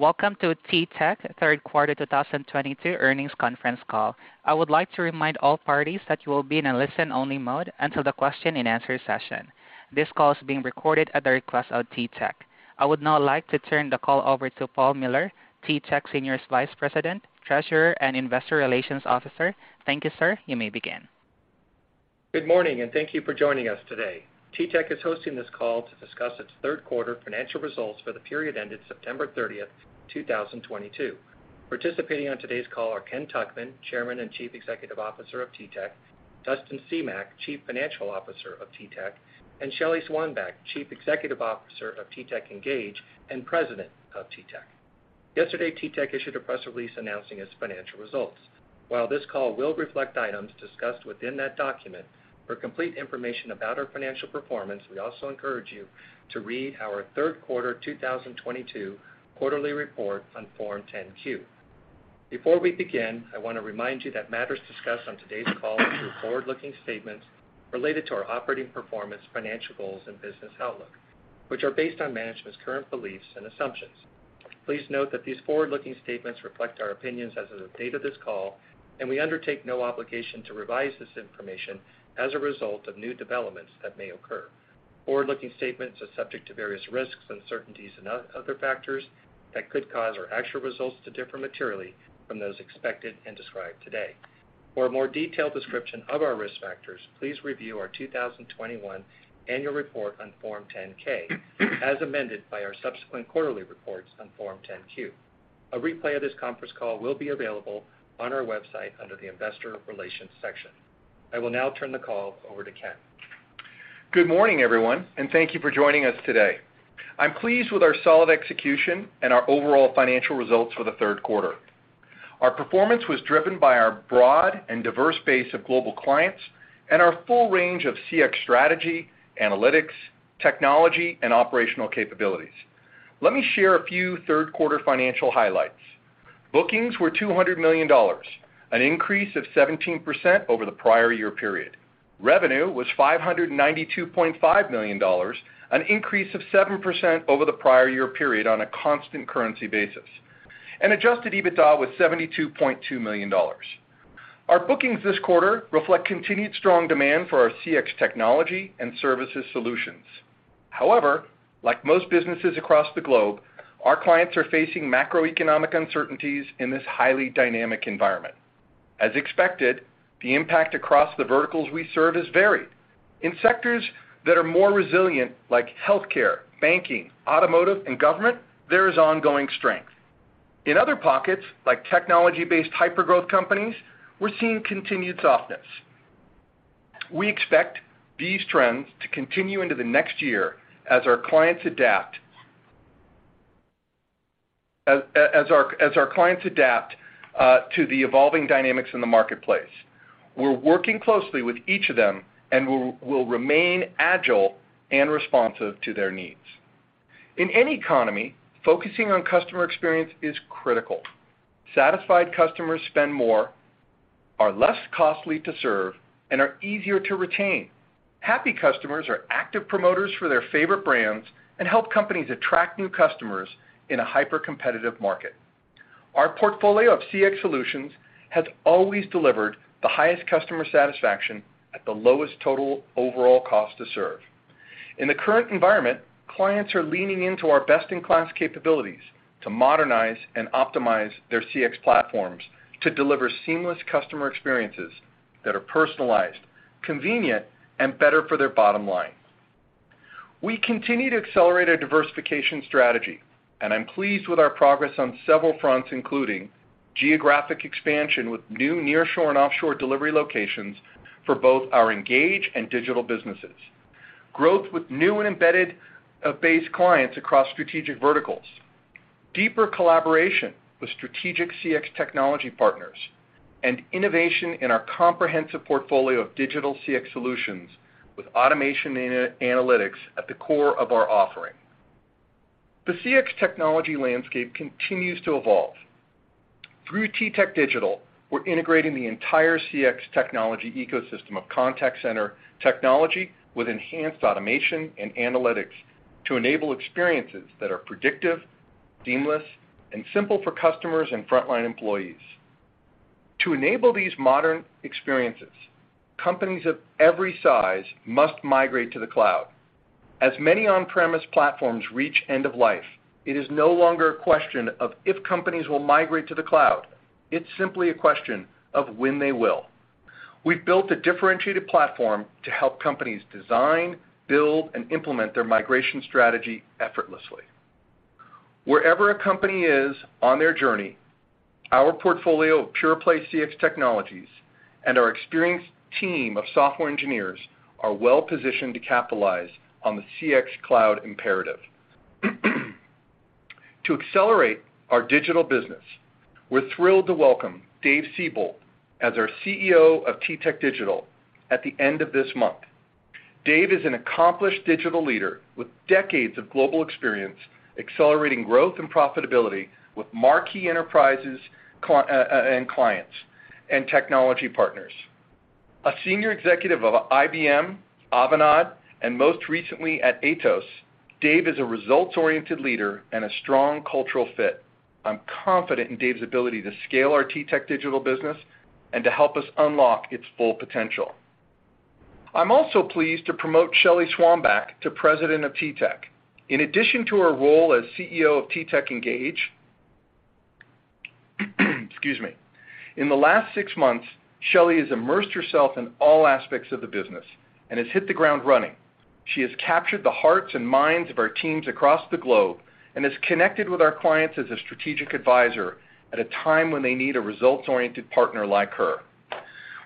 Welcome to TTEC third quarter 2022 earnings conference call. I would like to remind all parties that you will be in a listen-only mode until the question-and-answer session. This call is being recorded at the request of TTEC. I would now like to turn the call over to Paul Miller, TTEC Senior Vice President, Treasurer, and Investor Relations Officer. Thank you, sir. You may begin. Good morning, and thank you for joining us today. TTEC is hosting this call to discuss its third quarter financial results for the period ended September 30th, 2022. Participating on today's call are Ken Tuchman, Chairman and Chief Executive Officer of TTEC; Dustin Semach, Chief Financial Officer of TTEC; and Shelly Swanback, Chief Executive Officer of TTEC Engage and President of TTEC. Yesterday, TTEC issued a press release announcing its financial results. While this call will reflect items discussed within that document, for complete information about our financial performance, we also encourage you to read our third quarter 2022 quarterly report on Form 10-Q. Before we begin, I wanna remind you that matters discussed on today's call through forward-looking statements related to our operating performance, financial goals, and business outlook, which are based on management's current beliefs and assumptions. Please note that these forward-looking statements reflect our opinions as of the date of this call, and we undertake no obligation to revise this information as a result of new developments that may occur. Forward-looking statements are subject to various risks, uncertainties, and other factors that could cause our actual results to differ materially from those expected and described today. For a more detailed description of our risk factors, please review our 2021 annual report on Form 10-K as amended by our subsequent quarterly reports on Form 10-Q. A replay of this conference call will be available on our website under the investor relations section. I will now turn the call over to Ken. Good morning, everyone, and thank you for joining us today. I'm pleased with our solid execution and our overall financial results for the third quarter. Our performance was driven by our broad and diverse base of global clients and our full range of CX strategy, analytics, technology, and operational capabilities. Let me share a few third quarter financial highlights. Bookings were $200 million, an increase of 17% over the prior year period. Revenue was $592.5 million, an increase of 7% over the prior year period on a constant currency basis, and adjusted EBITDA was $72.2 million. Our bookings this quarter reflect continued strong demand for our CX technology and services solutions. However, like most businesses across the globe, our clients are facing macroeconomic uncertainties in this highly dynamic environment. As expected, the impact across the verticals we serve has varied. In sectors that are more resilient, like healthcare, banking, automotive, and government, there is ongoing strength. In other pockets, like technology-based hypergrowth companies, we're seeing continued softness. We expect these trends to continue into the next year as our clients adapt to the evolving dynamics in the marketplace. We're working closely with each of them and will remain agile and responsive to their needs. In any economy, focusing on customer experience is critical. Satisfied customers spend more, are less costly to serve, and are easier to retain. Happy customers are active promoters for their favorite brands and help companies attract new customers in a hypercompetitive market. Our portfolio of CX solutions has always delivered the highest customer satisfaction at the lowest total overall cost to serve. In the current environment, clients are leaning into our best-in-class capabilities to modernize and optimize their CX platforms to deliver seamless customer experiences that are personalized, convenient, and better for their bottom line. We continue to accelerate our diversification strategy, and I'm pleased with our progress on several fronts, including geographic expansion with new nearshore and offshore delivery locations for both our engage and digital businesses. Growth with new and embedded base clients across strategic verticals, deeper collaboration with strategic CX technology partners, and innovation in our comprehensive portfolio of digital CX solutions with automation and analytics at the core of our offering. The CX technology landscape continues to evolve. Through TTEC Digital, we're integrating the entire CX technology ecosystem of contact center technology with enhanced automation and analytics to enable experiences that are predictive, seamless, and simple for customers and frontline employees. To enable these modern experiences, companies of every size must migrate to the cloud. As many on-premise platforms reach end of life, it is no longer a question of if companies will migrate to the cloud. It's simply a question of when they will. We've built a differentiated platform to help companies design, build, and implement their migration strategy effortlessly. Wherever a company is on their journey, our portfolio of pure-play CX technologies and our experienced team of software engineers are well-positioned to capitalize on the CX cloud imperative. To accelerate our digital business, we're thrilled to welcome Dave Seybold as our CEO of TTEC Digital at the end of this month. Dave is an accomplished digital leader with decades of global experience accelerating growth and profitability with marquee enterprises and clients and technology partners. A senior executive of IBM, Avanade, and most recently at Atos, Dave is a results-oriented leader and a strong cultural fit. I'm confident in Dave's ability to scale our TTEC Digital business and to help us unlock its full potential. I'm also pleased to promote Shelly Swanback to President of TTEC. In addition to her role as CEO of TTEC Engage, excuse me. In the last six months, Shelly has immersed herself in all aspects of the business and has hit the ground running. She has captured the hearts and minds of our teams across the globe and has connected with our clients as a strategic advisor at a time when they need a results-oriented partner like her.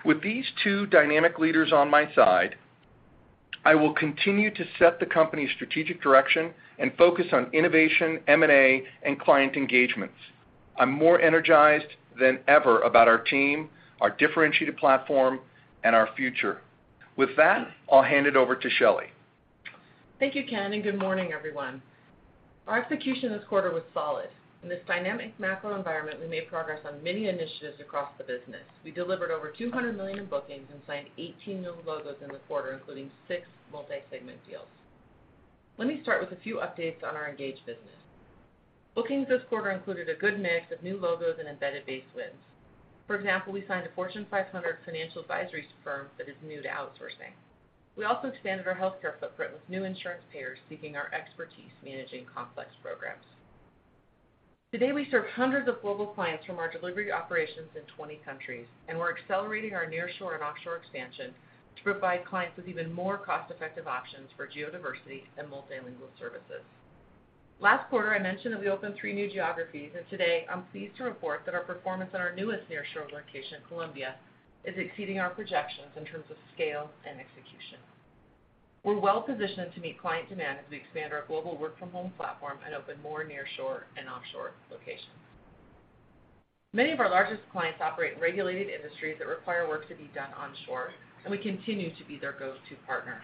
With these two dynamic leaders on my side, I will continue to set the company's strategic direction and focus on innovation, M&A, and client engagements. I'm more energized than ever about our team, our differentiated platform, and our future. With that, I'll hand it over to Shelly. Thank you, Ken, and good morning, everyone. Our execution this quarter was solid. In this dynamic macro environment, we made progress on many initiatives across the business. We delivered over $200 million bookings and signed 18 new logos in the quarter, including six multi-segment deals. Let me start with a few updates on our Engage business. Bookings this quarter included a good mix of new logos and embedded base wins. For example, we signed a Fortune 500 financial advisory firm that is new to outsourcing. We also expanded our healthcare footprint with new insurance payers seeking our expertise managing complex programs. Today, we serve hundreds of global clients from our delivery operations in 20 countries, and we're accelerating our nearshore and offshore expansion to provide clients with even more cost-effective options for geo-diversity and multilingual services. Last quarter, I mentioned that we opened three new geographies, and today I'm pleased to report that our performance in our newest nearshore location, Colombia, is exceeding our projections in terms of scale and execution. We're well-positioned to meet client demand as we expand our global work-from-home platform and open more nearshore and offshore locations. Many of our largest clients operate in regulated industries that require work to be done onshore, and we continue to be their go-to partner.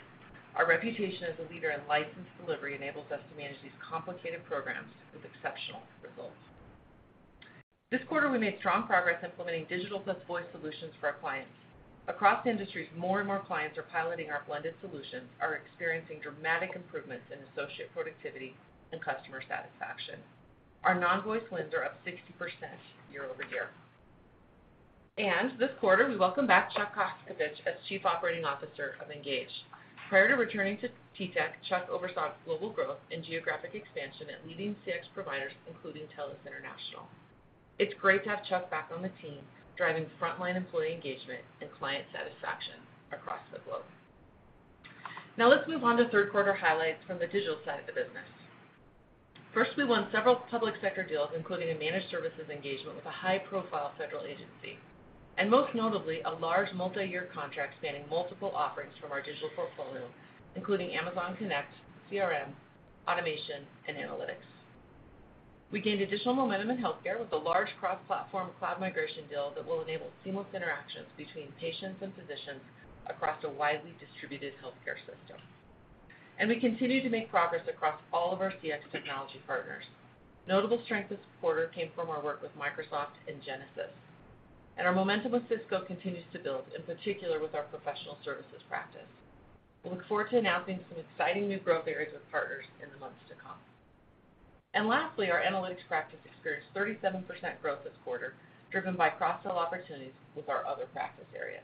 Our reputation as a leader in licensed delivery enables us to manage these complicated programs with exceptional results. This quarter, we made strong progress implementing digital plus voice solutions for our clients. Across industries, more and more clients are piloting our blended solutions, are experiencing dramatic improvements in associate productivity and customer satisfaction. Our non-voice wins are up 60% year-over-year. This quarter, we welcome back Chuck Koskovich as Chief Operating Officer of Engage. Prior to returning to TTEC, Chuck oversaw global growth and geographic expansion at leading CX providers, including TELUS International. It's great to have Chuck back on the team, driving frontline employee engagement and client satisfaction across the globe. Now let's move on to third quarter highlights from the digital side of the business. First, we won several public sector deals, including a managed services engagement with a high-profile federal agency, and most notably, a large multi-year contract spanning multiple offerings from our digital portfolio, including Amazon Connect, CRM, automation, and analytics. We gained additional momentum in healthcare with a large cross-platform cloud migration deal that will enable seamless interactions between patients and physicians across a widely distributed healthcare system. We continue to make progress across all of our CX technology partners. Notable strength this quarter came from our work with Microsoft and Genesys. Our momentum with Cisco continues to build, in particular with our professional services practice. We look forward to announcing some exciting new growth areas with partners in the months to come. Lastly, our analytics practice experienced 37% growth this quarter, driven by cross-sell opportunities with our other practice areas.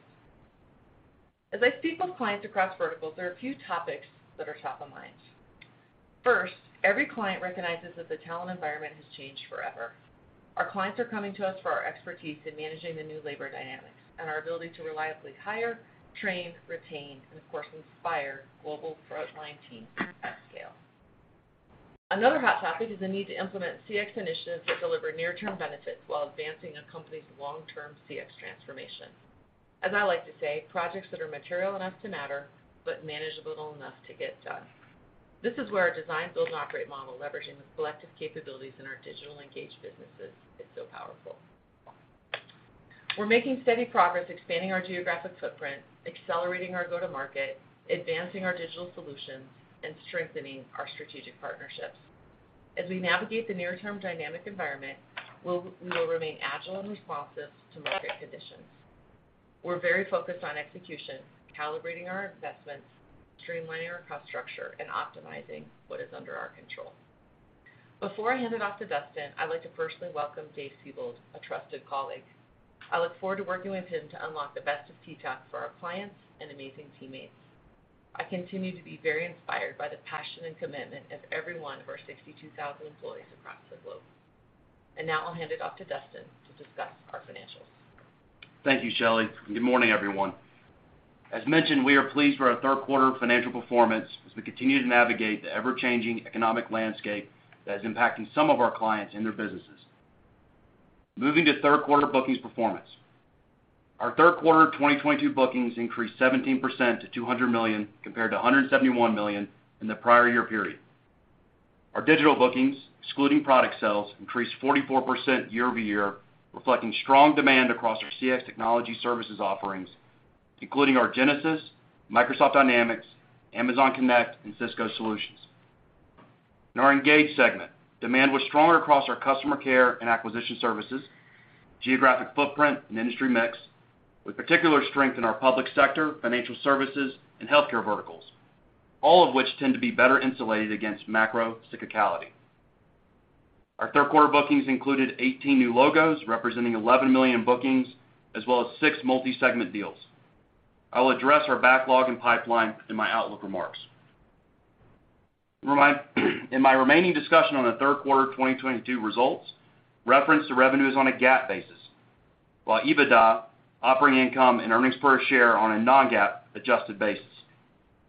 As I speak with clients across verticals, there are a few topics that are top of mind. First, every client recognizes that the talent environment has changed forever. Our clients are coming to us for our expertise in managing the new labor dynamics and our ability to reliably hire, train, retain, and of course, inspire global frontline teams at scale. Another hot topic is the need to implement CX initiatives that deliver near-term benefits while advancing a company's long-term CX transformation. As I like to say, projects that are material enough to matter but manageable enough to get done. This is where our design, build, and operate model, leveraging the collective capabilities in our digital engaged businesses, is so powerful. We're making steady progress expanding our geographic footprint, accelerating our go-to-market, advancing our digital solutions, and strengthening our strategic partnerships. As we navigate the near-term dynamic environment, we will remain agile and responsive to market conditions. We're very focused on execution, calibrating our investments, streamlining our cost structure, and optimizing what is under our control. Before I hand it off to Dustin, I'd like to personally welcome Dave Seybold, a trusted colleague. I look forward to working with him to unlock the best of TTEC for our clients and amazing teammates. I continue to be very inspired by the passion and commitment of every one of our 62,000 employees across the globe. Now I'll hand it off to Dustin to discuss our financials. Thank you, Shelly. Good morning, everyone. As mentioned, we are pleased with our third quarter financial performance as we continue to navigate the ever-changing economic landscape that is impacting some of our clients and their businesses. Moving to third quarter bookings performance. Our third quarter of 2022 bookings increased 17% to $200 million compared to $171 million in the prior year period. Our digital bookings, excluding product sales, increased 44% year-over-year, reflecting strong demand across our CX technology services offerings, including our Genesys, Microsoft Dynamics, Amazon Connect, and Cisco solutions. In our Engage segment, demand was stronger across our customer care and acquisition services, geographic footprint and industry mix, with particular strength in our public sector, financial services and healthcare verticals, all of which tend to be better insulated against macro cyclicality. Our third quarter bookings included 18 new logos, representing $11 million bookings, as well as six multi-segment deals. I will address our backlog and pipeline in my outlook remarks. In my remaining discussion on the third quarter of 2022 results, reference to revenue is on a GAAP basis, while EBITDA, operating income, and earnings per share on a non-GAAP adjusted basis.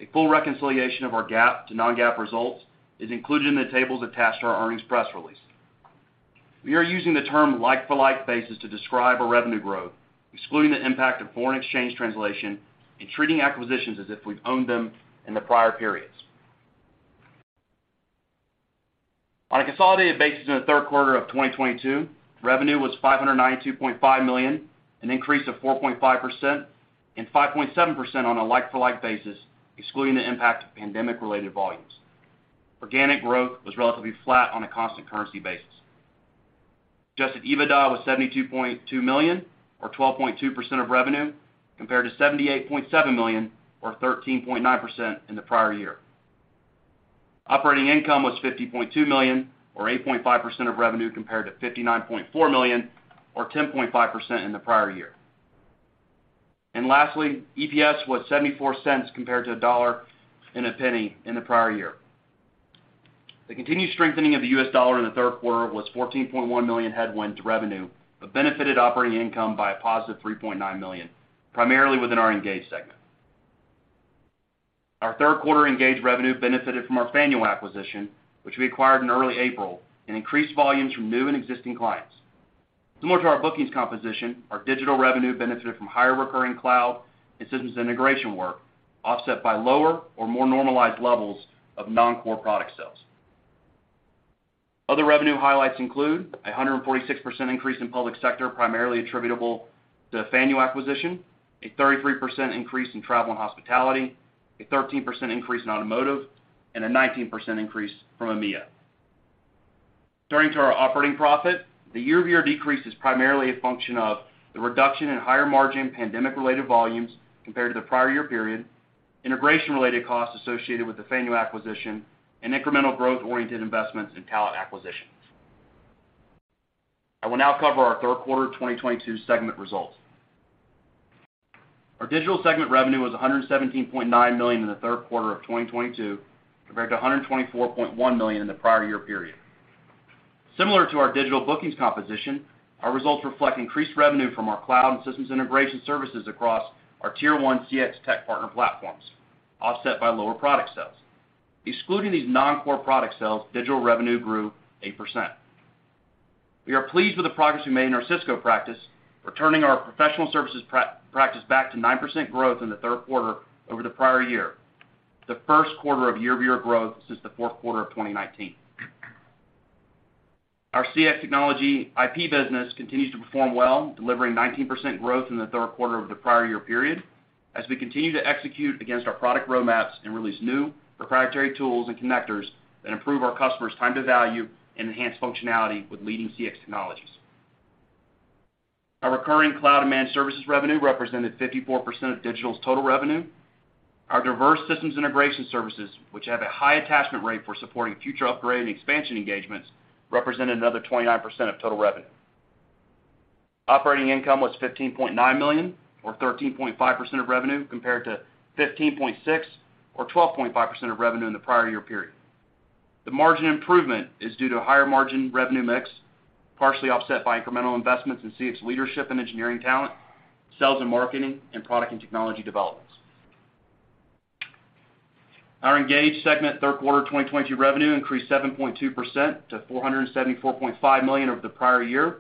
A full reconciliation of our GAAP to non-GAAP results is included in the tables attached to our earnings press release. We are using the term like-for-like basis to describe our revenue growth, excluding the impact of foreign exchange translation and treating acquisitions as if we've owned them in the prior periods. On a consolidated basis in the third quarter of 2022, revenue was $592.5 million, an increase of 4.5% and 5.7% on a like-for-like basis, excluding the impact of pandemic-related volumes. Organic growth was relatively flat on a constant currency basis. Adjusted EBITDA was $72.2 million or 12.2% of revenue, compared to $78.7 million or 13.9% in the prior year. Operating income was $50.2 million or 8.5% of revenue compared to $59.4 million or 10.5% in the prior year. Lastly, EPS was $0.74 compared to $1.01 in the prior year. The continued strengthening of the US dollar in the third quarter was $14.1 million headwind to revenue, but benefited operating income by a positive $3.9 million, primarily within our Engage segment. Our third quarter Engage revenue benefited from our Faneuil acquisition, which we acquired in early April, and increased volumes from new and existing clients. Similar to our bookings composition, our digital revenue benefited from higher recurring cloud and systems integration work, offset by lower or more normalized levels of non-core product sales. Other revenue highlights include 146% increase in public sector, primarily attributable to Faneuil acquisition, a 33% increase in travel and hospitality, a 13% increase in automotive, and a 19% increase from EMEA. Turning to our operating profit, the year-over-year decrease is primarily a function of the reduction in higher margin pandemic-related volumes compared to the prior year period, integration-related costs associated with the Faneuil acquisition, and incremental growth-oriented investments in talent acquisitions. I will now cover our third quarter 2022 segment results. Our digital segment revenue was $117.9 million in the third quarter of 2022, compared to $124.1 million in the prior year period. Similar to our digital bookings composition, our results reflect increased revenue from our cloud and systems integration services across our Tier 1 CX tech partner platforms, offset by lower product sales. Excluding these non-core product sales, digital revenue grew 8%. We are pleased with the progress we made in our Cisco practice, returning our professional services practice back to 9% growth in the third quarter over the prior year, the first quarter of year-over-year growth since the fourth quarter of 2019. Our CX Technology IP business continues to perform well, delivering 19% growth in the third quarter over the prior year period, as we continue to execute against our product roadmaps and release new proprietary tools and connectors that improve our customers' time to value and enhance functionality with leading CX technologies. Our recurring cloud and managed services revenue represented 54% of digital's total revenue. Our diverse systems integration services, which have a high attachment rate for supporting future upgrade and expansion engagements, represented another 29% of total revenue. Operating income was $15.9 million, or 13.5% of revenue, compared to $15.6 million, or 12.5% of revenue in the prior year period. The margin improvement is due to a higher margin revenue mix, partially offset by incremental investments in CX leadership and engineering talent, sales and marketing, and product and technology developments. Our Engage segment third quarter 2022 revenue increased 7.2% to $474.5 million over the prior year,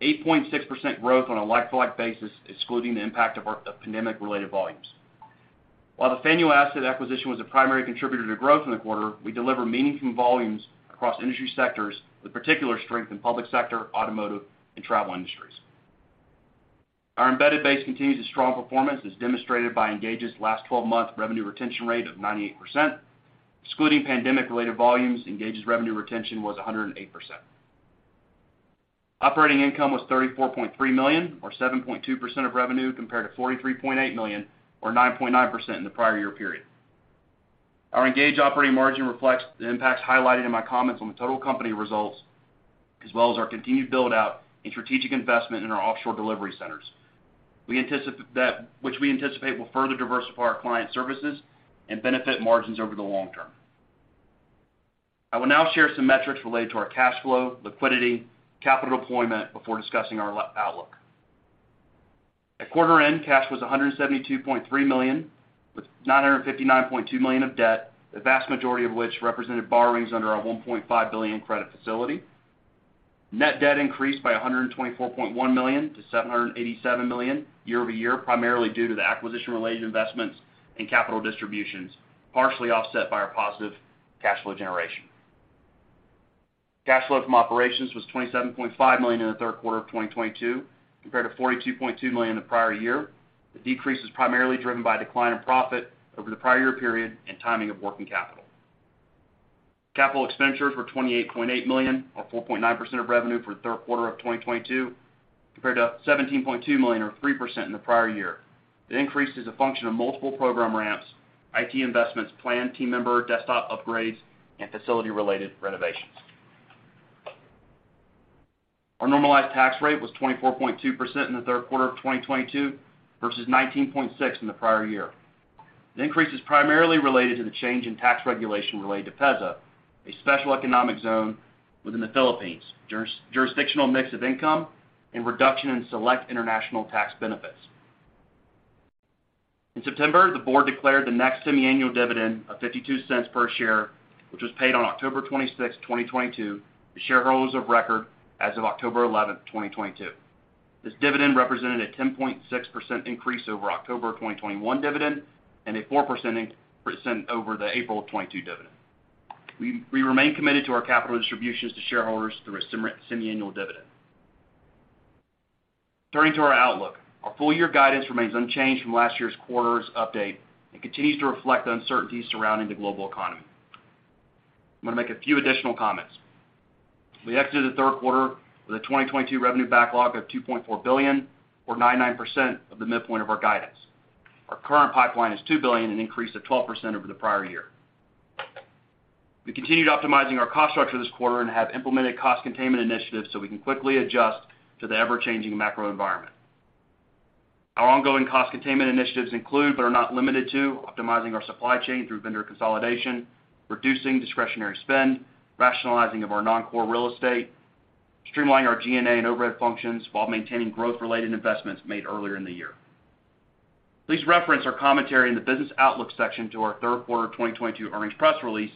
8.6% growth on a like-for-like basis, excluding the impact of pandemic-related volumes. While the Faneuil asset acquisition was a primary contributor to growth in the quarter, we delivered meaningful volumes across industry sectors with particular strength in public sector, automotive, and travel industries. Our embedded base continues a strong performance, as demonstrated by Engage's last 12-month revenue retention rate of 98%. Excluding pandemic-related volumes, Engage's revenue retention was 108%. Operating income was $34.3 million, or 7.2% of revenue, compared to $43.8 million, or 9.9% in the prior year period. Our Engage operating margin reflects the impacts highlighted in my comments on the total company results, as well as our continued build-out and strategic investment in our offshore delivery centers, which we anticipate will further diversify our client services and benefit margins over the long term. I will now share some metrics related to our cash flow, liquidity, capital deployment before discussing our outlook. At quarter-end, cash was $172.3 million, with $959.2 million of debt, the vast majority of which represented borrowings under our $1.5 billion credit facility. Net debt increased by $124.1 million-$787 million year-over-year, primarily due to the acquisition-related investments and capital distributions, partially offset by our positive cash flow generation. Cash flow from operations was $27.5 million in the third quarter of 2022 compared to $42.2 million the prior year. The decrease was primarily driven by a decline in profit over the prior year period and timing of working capital. Capital expenditures were $28.8 million, or 4.9% of revenue for the third quarter of 2022, compared to $17.2 million or 3% in the prior year. The increase is a function of multiple program ramps, IT investments planned, team member desktop upgrades, and facility-related renovations. Our normalized tax rate was 24.2% in the third quarter of 2022 versus 19.6% in the prior year. The increase is primarily related to the change in tax regulation related to PEZA, a special economic zone within the Philippines, jurisdictional mix of income, and reduction in select international tax benefits. In September, the board declared the next semiannual dividend of $0.52 per share, which was paid on October 26th, 2022, to shareholders of record as of October 11th, 2022. This dividend represented a 10.6% increase over October of 2021 dividend and a 4% over the April of 2022 dividend. We remain committed to our capital distributions to shareholders through a semiannual dividend. Turning to our outlook. Our full year guidance remains unchanged from last quarter's update and continues to reflect the uncertainties surrounding the global economy. I'm gonna make a few additional comments. We exited the third quarter with a 2022 revenue backlog of $2.4 billion or 99% of the midpoint of our guidance. Our current pipeline is $2 billion, an increase of 12% over the prior year. We continued optimizing our cost structure this quarter and have implemented cost containment initiatives, so we can quickly adjust to the ever-changing macro environment. Our ongoing cost containment initiatives include but are not limited to optimizing our supply chain through vendor consolidation, reducing discretionary spend, rationalizing of our non-core real estate, streamlining our G&A and overhead functions while maintaining growth-related investments made earlier in the year. Please reference our commentary in the business outlook section to our third quarter of 2022 earnings press release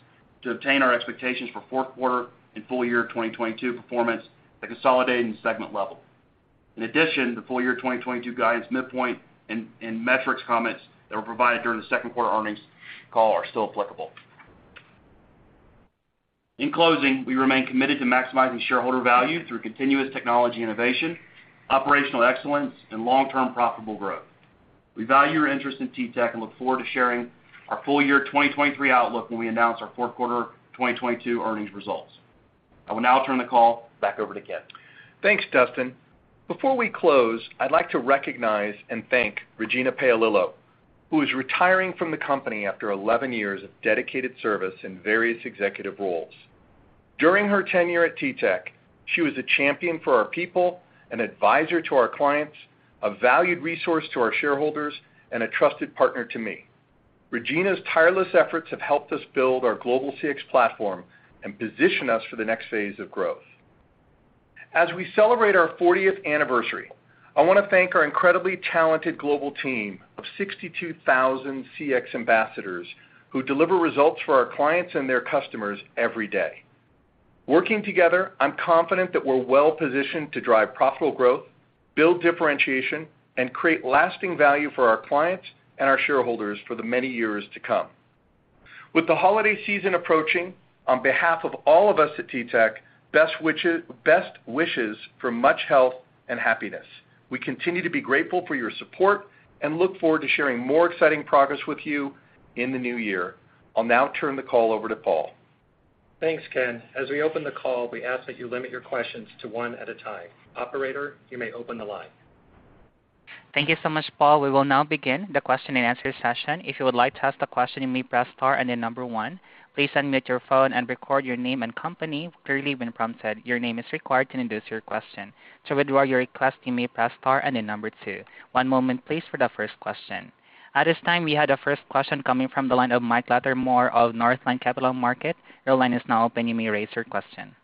to obtain our expectations for fourth quarter and full year of 2022 performance at consolidating segment level. In addition, the full year of 2022 guidance midpoint and metrics comments that were provided during the second quarter earnings call are still applicable. In closing, we remain committed to maximizing shareholder value through continuous technology innovation, operational excellence, and long-term profitable growth. We value your interest in TTEC and look forward to sharing our full year 2023 outlook when we announce our fourth quarter 2022 earnings results. I will now turn the call back over to Ken. Thanks, Dustin. Before we close, I'd like to recognize and thank Regina Paolillo, who is retiring from the company after 11 years of dedicated service in various executive roles. During her tenure at TTEC, she was a champion for our people and advisor to our clients, a valued resource to our shareholders, and a trusted partner to me. Regina's tireless efforts have helped us build our global CX platform and position us for the next phase of growth. As we celebrate our 40th anniversary, I wanna thank our incredibly talented global team of 62,000 CX ambassadors who deliver results for our clients and their customers every day. Working together, I'm confident that we're well positioned to drive profitable growth, build differentiation, and create lasting value for our clients and our shareholders for the many years to come. With the holiday season approaching, on behalf of all of us at TTEC, best wishes for much health and happiness. We continue to be grateful for your support and look forward to sharing more exciting progress with you in the new year. I'll now turn the call over to Paul. Thanks, Ken. As we open the call, we ask that you limit your questions to one at a time. Operator, you may open the line. Thank you so much, Paul. We will now begin the question-and-answer session. If you would like to ask the question, you may press star and then number one. Please unmute your phone and record your name and company clearly when prompted. Your name is required to introduce your question. To withdraw your request, you may press star and then number two. One moment please for the first question. At this time, we have the first question coming from the line of Mike Latimore of Northland Capital Markets. Your line is now open. You may raise your question.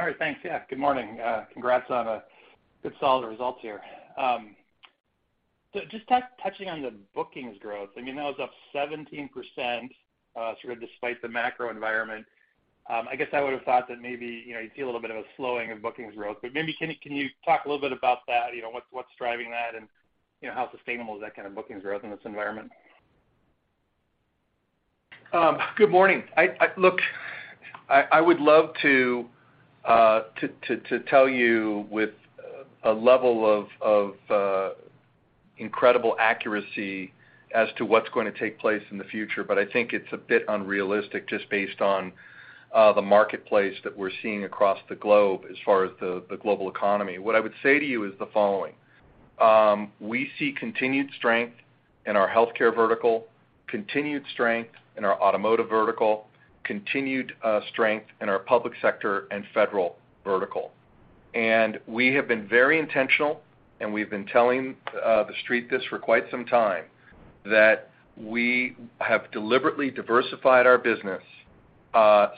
All right. Thanks. Yeah. Good morning. Congrats on good solid results here. So just touching on the bookings growth, I mean, that was up 17%, sort of despite the macro environment. I guess I would have thought that maybe, you know, you'd see a little bit of a slowing of bookings growth, but maybe can you talk a little bit about that? You know, what's driving that and, you know, how sustainable is that kind of bookings growth in this environment? Good morning. Look, I would love to tell you with a level of incredible accuracy as to what's gonna take place in the future, but I think it's a bit unrealistic just based on the marketplace that we're seeing across the globe as far as the global economy. What I would say to you is the following. We see continued strength in our healthcare vertical, continued strength in our automotive vertical, continued strength in our public sector and federal vertical. We have been very intentional, and we've been telling the street this for quite some time, that we have deliberately diversified our business,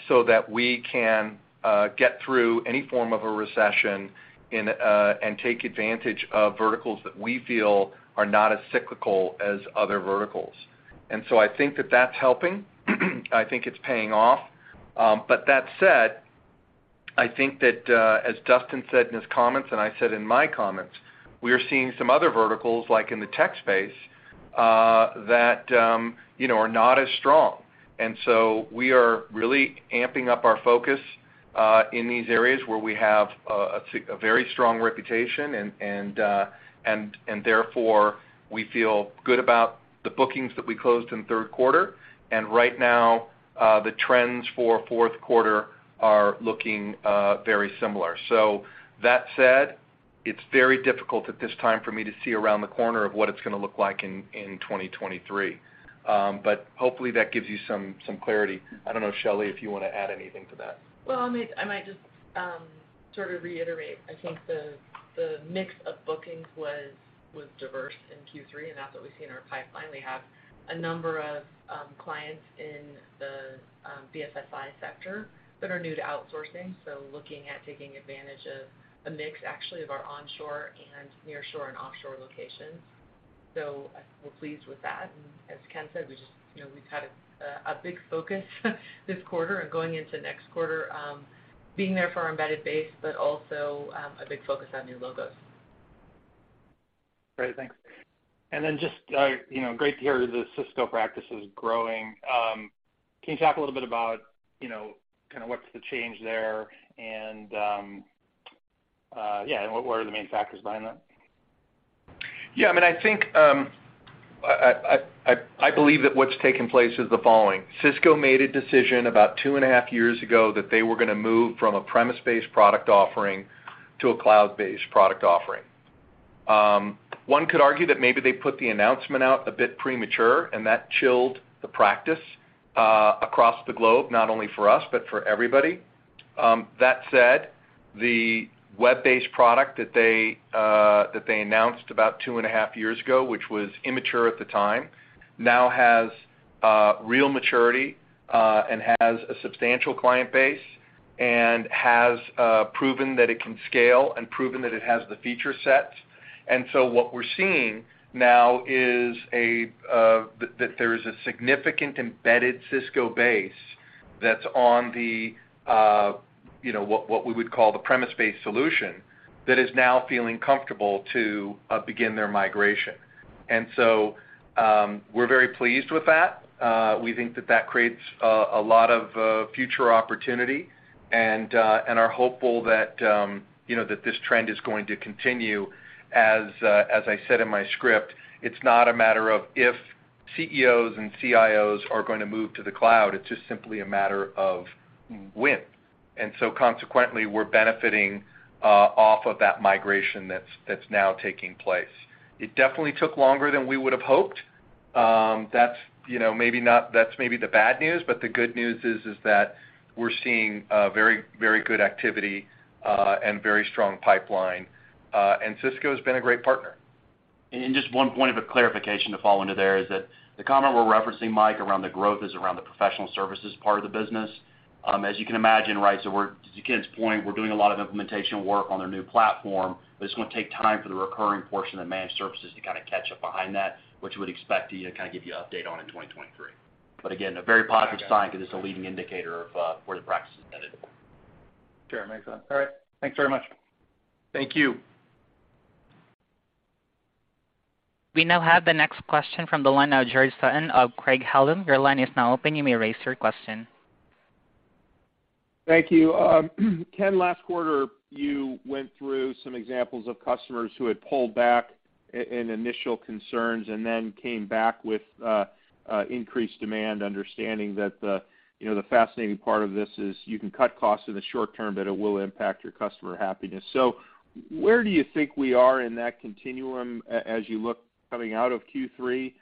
so that we can get through any form of a recession and take advantage of verticals that we feel are not as cyclical as other verticals. I think that that's helping. I think it's paying off. But that said, I think that, as Dustin said in his comments and I said in my comments, we are seeing some other verticals, like in the tech space, that you know are not as strong. We are really amping up our focus in these areas where we have a very strong reputation and therefore, we feel good about the bookings that we closed in third quarter. Right now, the trends for fourth quarter are looking very similar. That said, it's very difficult at this time for me to see around the corner of what it's gonna look like in 2023. But hopefully that gives you some clarity. I don't know, Shelly, if you wanna add anything to that? Well, I might just sort of reiterate. I think the mix of bookings was diverse in Q3, and that's what we see in our pipeline. We have a number of clients in the BFSI sector that are new to outsourcing, so looking at taking advantage of a mix actually of our onshore and nearshore and offshore locations. We're pleased with that. As Ken said, we just, you know, we've had a big focus this quarter and going into next quarter, being there for our embedded base, but also a big focus on new logos. Great. Thanks. Just, you know, great to hear the Cisco practice is growing. Can you talk a little bit about, you know, kinda what's the change there and, yeah, and what are the main factors behind that? Yeah. I mean, I think, I believe that what's taken place is the following: Cisco made a decision about two and a half years ago that they were gonna move from a premises-based product offering to a cloud-based product offering. One could argue that maybe they put the announcement out a bit premature, and that chilled the practice across the globe, not only for us, but for everybody. That said, the web-based product that they announced about two and a half years ago, which was immature at the time, now has real maturity, and has a substantial client base and has proven that it can scale and proven that it has the feature set. What we're seeing now is that there is a significant embedded Cisco base that's on the, you know, what we would call the premise-based solution that is now feeling comfortable to begin their migration. We're very pleased with that. We think that that creates a lot of future opportunity and are hopeful that, you know, that this trend is going to continue. I said in my script, it's not a matter of if CEOs and CIOs are gonna move to the cloud, it's just simply a matter of when. Consequently, we're benefiting off of that migration that's now taking place. It definitely took longer than we would've hoped. That's, you know, maybe the bad news, but the good news is that we're seeing very, very good activity and very strong pipeline. Cisco's been a great partner. Just one point of clarification to fall into there is that the comment we're referencing, Mike, around the growth is around the professional services part of the business. As you can imagine, right, to Ken's point, we're doing a lot of implementation work on their new platform, but it's gonna take time for the recurring portion of managed services to kinda catch up behind that, which we would expect to kind of give you an update on in 2023. Again, a very positive sign because it's a leading indicator of where the practice is headed. Sure. Makes sense. All right. Thanks very much. Thank you. We now have the next question from the line of George Sutton of Craig-Hallum. Your line is now open. You may raise your question. Thank you. Ken, last quarter, you went through some examples of customers who had pulled back in initial concerns and then came back with increased demand, understanding that the, you know, the fascinating part of this is you can cut costs in the short term, but it will impact your customer happiness. Where do you think we are in that continuum as you look coming out of Q3?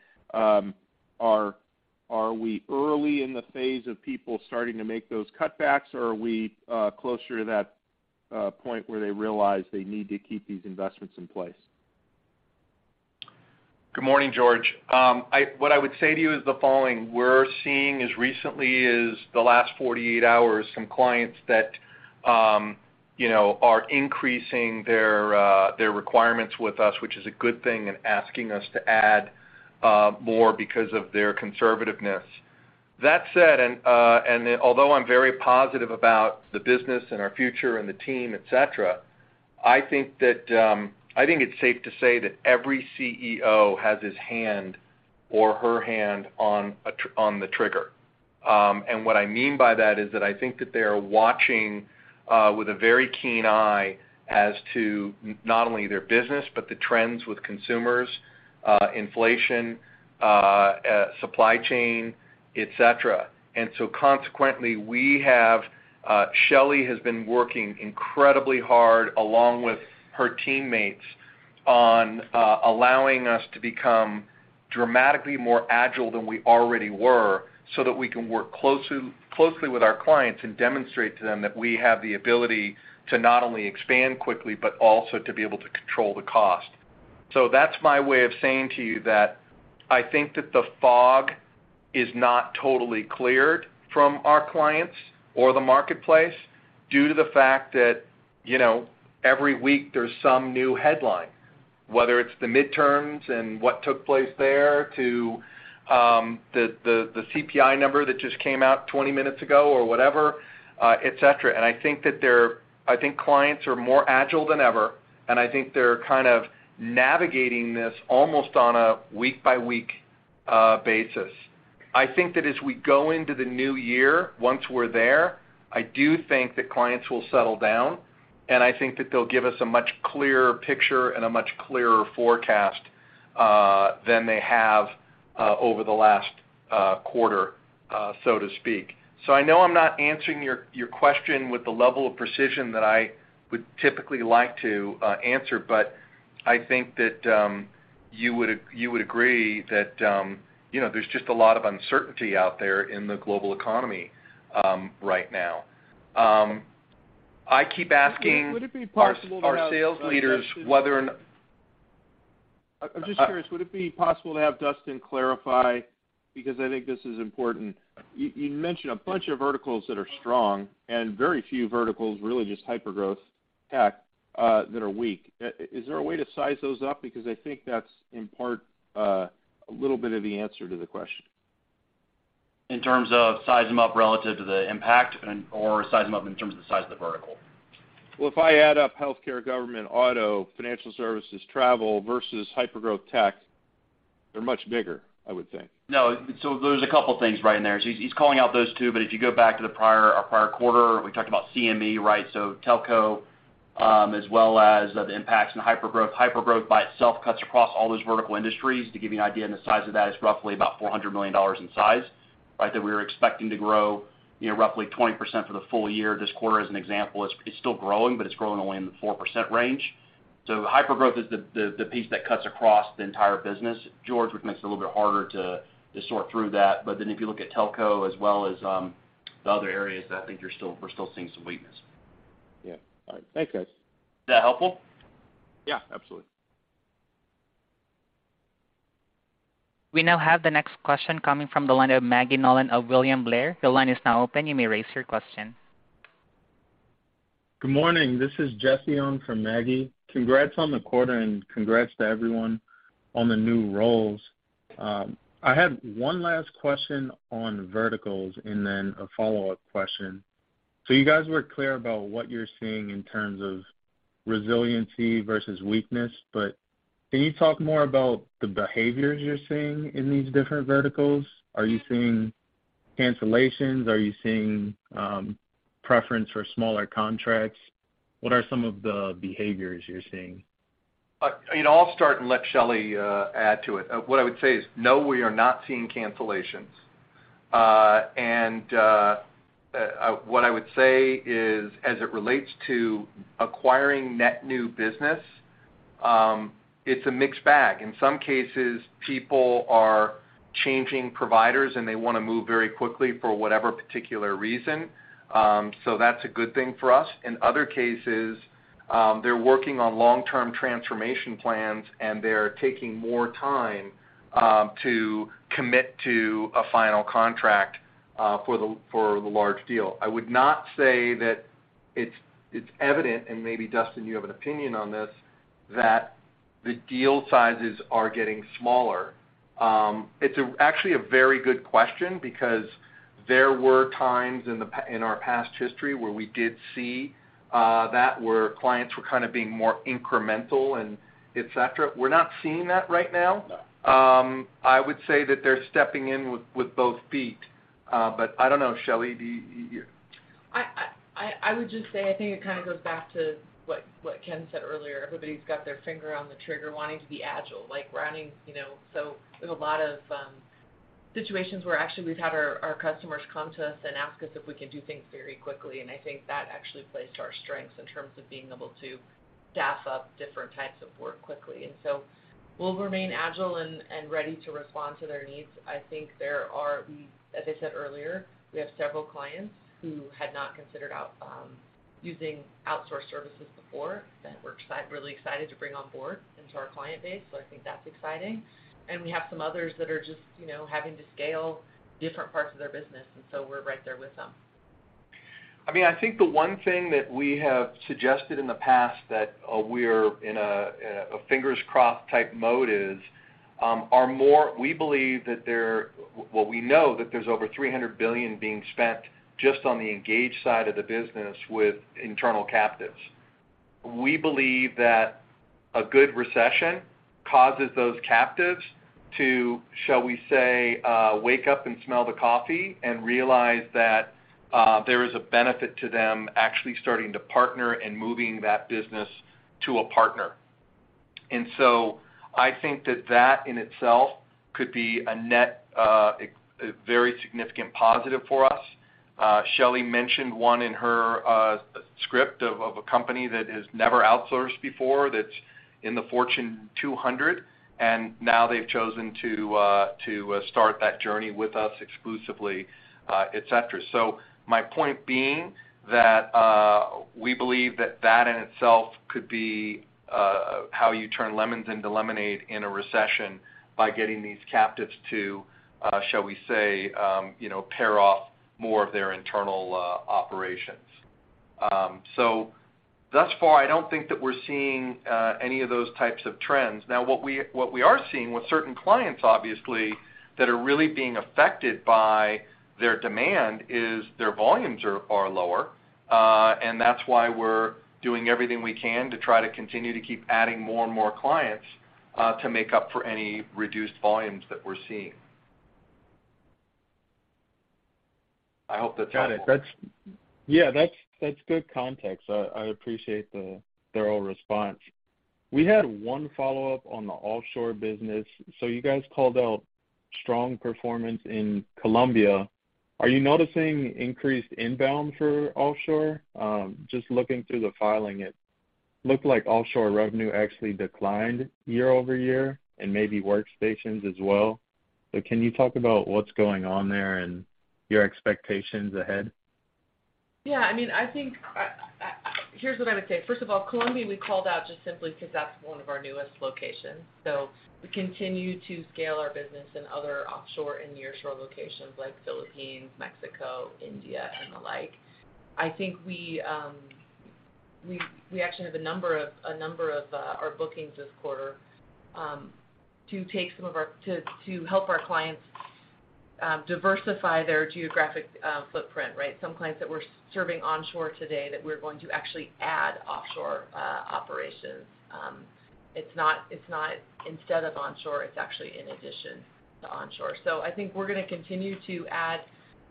Are we early in the phase of people starting to make those cutbacks, or are we closer to that point where they realize they need to keep these investments in place? Good morning, George. What I would say to you is the following: We're seeing as recently as the last 48 hours, some clients that, you know, are increasing their requirements with us, which is a good thing, and asking us to add more because of their conservativeness. That said, although I'm very positive about the business and our future and the team, et cetera, I think it's safe to say that every CEO has his hand or her hand on the trigger. What I mean by that is that I think that they are watching with a very keen eye as to not only their business, but the trends with consumers, inflation, supply chain, et cetera. Consequently, we have Shelley has been working incredibly hard, along with her teammates, on allowing us to become dramatically more agile than we already were so that we can work closely with our clients and demonstrate to them that we have the ability to not only expand quickly, but also to be able to control the cost. That's my way of saying to you that I think that the fog is not totally cleared from our clients or the marketplace due to the fact that, you know, every week there's some new headlines whether it's the midterms and what took place there to the CPI number that just came out 20 minutes ago or whatever, et cetera. I think clients are more agile than ever, and I think they're kind of navigating this almost on a week-by-week basis. I think that as we go into the new year, once we're there, I do think that clients will settle down, and I think that they'll give us a much clearer picture and a much clearer forecast than they have over the last quarter, so to speak. I know I'm not answering your question with the level of precision that I would typically like to answer, but I think that you would agree that you know, there's just a lot of uncertainty out there in the global economy right now. I keep asking Would it be possible to have Dustin? our sales leaders whether or not I'm just curious, would it be possible to have Dustin clarify, because I think this is important. You mentioned a bunch of verticals that are strong and very few verticals, really just hypergrowth tech, that are weak. Is there a way to size those up? Because I think that's, in part, a little bit of the answer to the question. In terms of sizing them up relative to the impact and/or sizing them up in terms of the size of the vertical? Well, if I add up healthcare, government, auto, financial services, travel versus hypergrowth tech, they're much bigger, I would think. No. There's a couple things right in there. He's calling out those two, but if you go back to our prior quarter, we talked about CME, right? Telco, as well as the impacts in hypergrowth. Hypergrowth by itself cuts across all those vertical industries. To give you an idea on the size of that is roughly about $400 million in size, right? That we were expecting to grow, you know, roughly 20% for the full year. This quarter, as an example, is still growing, but it's growing only in the 4% range. Hypergrowth is the piece that cuts across the entire business, George, which makes it a little bit harder to sort through that. If you look at telco as well as the other areas, I think we're still seeing some weakness. Yeah. All right. Thanks, guys. Is that helpful? Yeah, absolutely. We now have the next question coming from the line of Maggie Nolan of William Blair. The line is now open. You may raise your question. Good morning. This is Jesse on for Maggie. Congrats on the quarter, and congrats to everyone on the new roles. I had one last question on verticals and then a follow-up question. You guys were clear about what you're seeing in terms of resiliency versus weakness, but can you talk more about the behaviors you're seeing in these different verticals? Are you seeing cancellations? Are you seeing, preference for smaller contracts? What are some of the behaviors you're seeing? You know, I'll start and let Shelly add to it. What I would say is, no, we are not seeing cancellations. What I would say is, as it relates to acquiring net new business, it's a mixed bag. In some cases, people are changing providers, and they wanna move very quickly for whatever particular reason, so that's a good thing for us. In other cases, they're working on long-term transformation plans, and they're taking more time to commit to a final contract for the large deal. I would not say that it's evident, and maybe Dustin you have an opinion on this, that the deal sizes are getting smaller. It's actually a very good question because there were times in our past history where we did see that where clients were kind of being more incremental and et cetera. We're not seeing that right now. No. I would say that they're stepping in with both feet. I don't know, Shelly, do you? I would just say, I think it kind of goes back to what Ken said earlier. Everybody's got their finger on the trigger wanting to be agile. Like we're having you know. There's a lot of situations where actually we've had our customers come to us and ask us if we can do things very quickly, and I think that actually plays to our strengths in terms of being able to staff up different types of work quickly. We'll remain agile and ready to respond to their needs. I think there are, as I said earlier, we have several clients who had not considered using outsourcing services before that we're really excited to bring on board into our client base, so I think that's exciting. We have some others that are just, you know, having to scale different parts of their business, and so we're right there with them. I mean, I think the one thing that we have suggested in the past that we're in a fingers crossed type mode is we know that there's over $300 billion being spent just on the engaged side of the business with internal captives. We believe that a good recession causes those captives to, shall we say, wake up and smell the coffee and realize that there is a benefit to them actually starting to partner and moving that business to a partner. I think that that in itself could be a net, a very significant positive for us. Shelly mentioned one in her script of a company that has never outsourced before that's in the Fortune 200, and now they've chosen to start that journey with us exclusively, et cetera. My point being that we believe that in itself could be how you turn lemons into lemonade in a recession by getting these captives to shall we say you know pare off more of their internal operations. Thus far, I don't think that we're seeing any of those types of trends. Now, what we are seeing with certain clients, obviously, that are really being affected by their demand is their volumes are lower. That's why we're doing everything we can to try to continue to keep adding more and more clients to make up for any reduced volumes that we're seeing. I hope that's helpful. Got it. That's yeah, that's good context. I appreciate the thorough response. We had one follow-up on the offshore business. You guys called out strong performance in Colombia. Are you noticing increased inbound for offshore? Just looking through the filing, it looked like offshore revenue actually declined year-over-year, and maybe workstations as well. Can you talk about what's going on there and your expectations ahead? Yeah, I mean, I think. Here's what I would say. First of all, Colombia, we called out just simply 'cause that's one of our newest locations. We continue to scale our business in other offshore and nearshore locations like Philippines, Mexico, India, and the like. I think we actually have a number of our bookings this quarter to help our clients diversify their geographic footprint, right? Some clients that we're serving onshore today that we're going to actually add offshore operations. It's not instead of onshore, it's actually in addition to onshore. I think we're gonna continue to add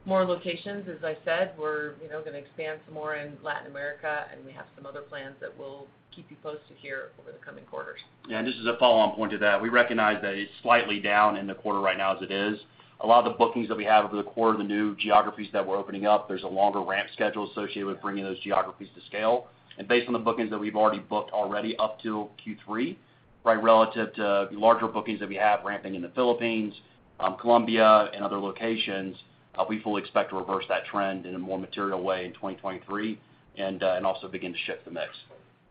more locations, as I said. We're, you know, gonna expand some more in Latin America, and we have some other plans that we'll keep you posted here over the coming quarters. Yeah, just as a follow-on point to that, we recognize that it's slightly down in the quarter right now as it is. A lot of the bookings that we have over the quarter, the new geographies that we're opening up, there's a longer ramp schedule associated with bringing those geographies to scale. Based on the bookings that we've already booked up to Q3, right, relative to the larger bookings that we have ramping in the Philippines, Colombia, and other locations, we fully expect to reverse that trend in a more material way in 2023 and also begin to shift the mix.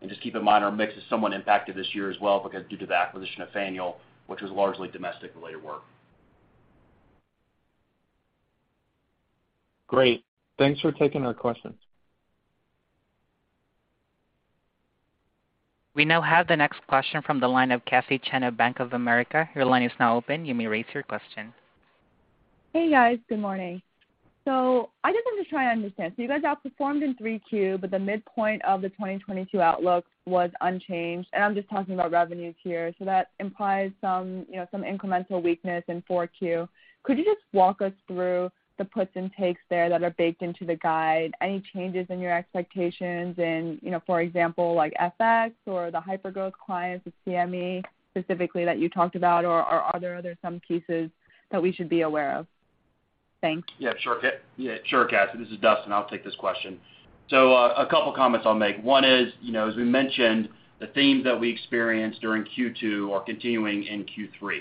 Just keep in mind, our mix is somewhat impacted this year as well because due to the acquisition of Faneuil, which was largely domestic-related work. Great. Thanks for taking our questions. We now have the next question from the line of Cassie Chan of Bank of America. Your line is now open. You may raise your question. Hey, guys. Good morning. I just want to try and understand. You guys outperformed in 3Q, but the midpoint of the 2022 outlook was unchanged, and I'm just talking about revenues here. That implies some, you know, some incremental weakness in 4Q. Could you just walk us through the puts and takes there that are baked into the guide? Any changes in your expectations in, you know, for example, like FX or the hypergrowth clients with CME, specifically that you talked about? Or are there other some pieces that we should be aware of? Thanks. Yeah, sure, Cassie. This is Dustin. I'll take this question. A couple comments I'll make. One is, you know, as we mentioned, the themes that we experienced during Q2 are continuing in Q3.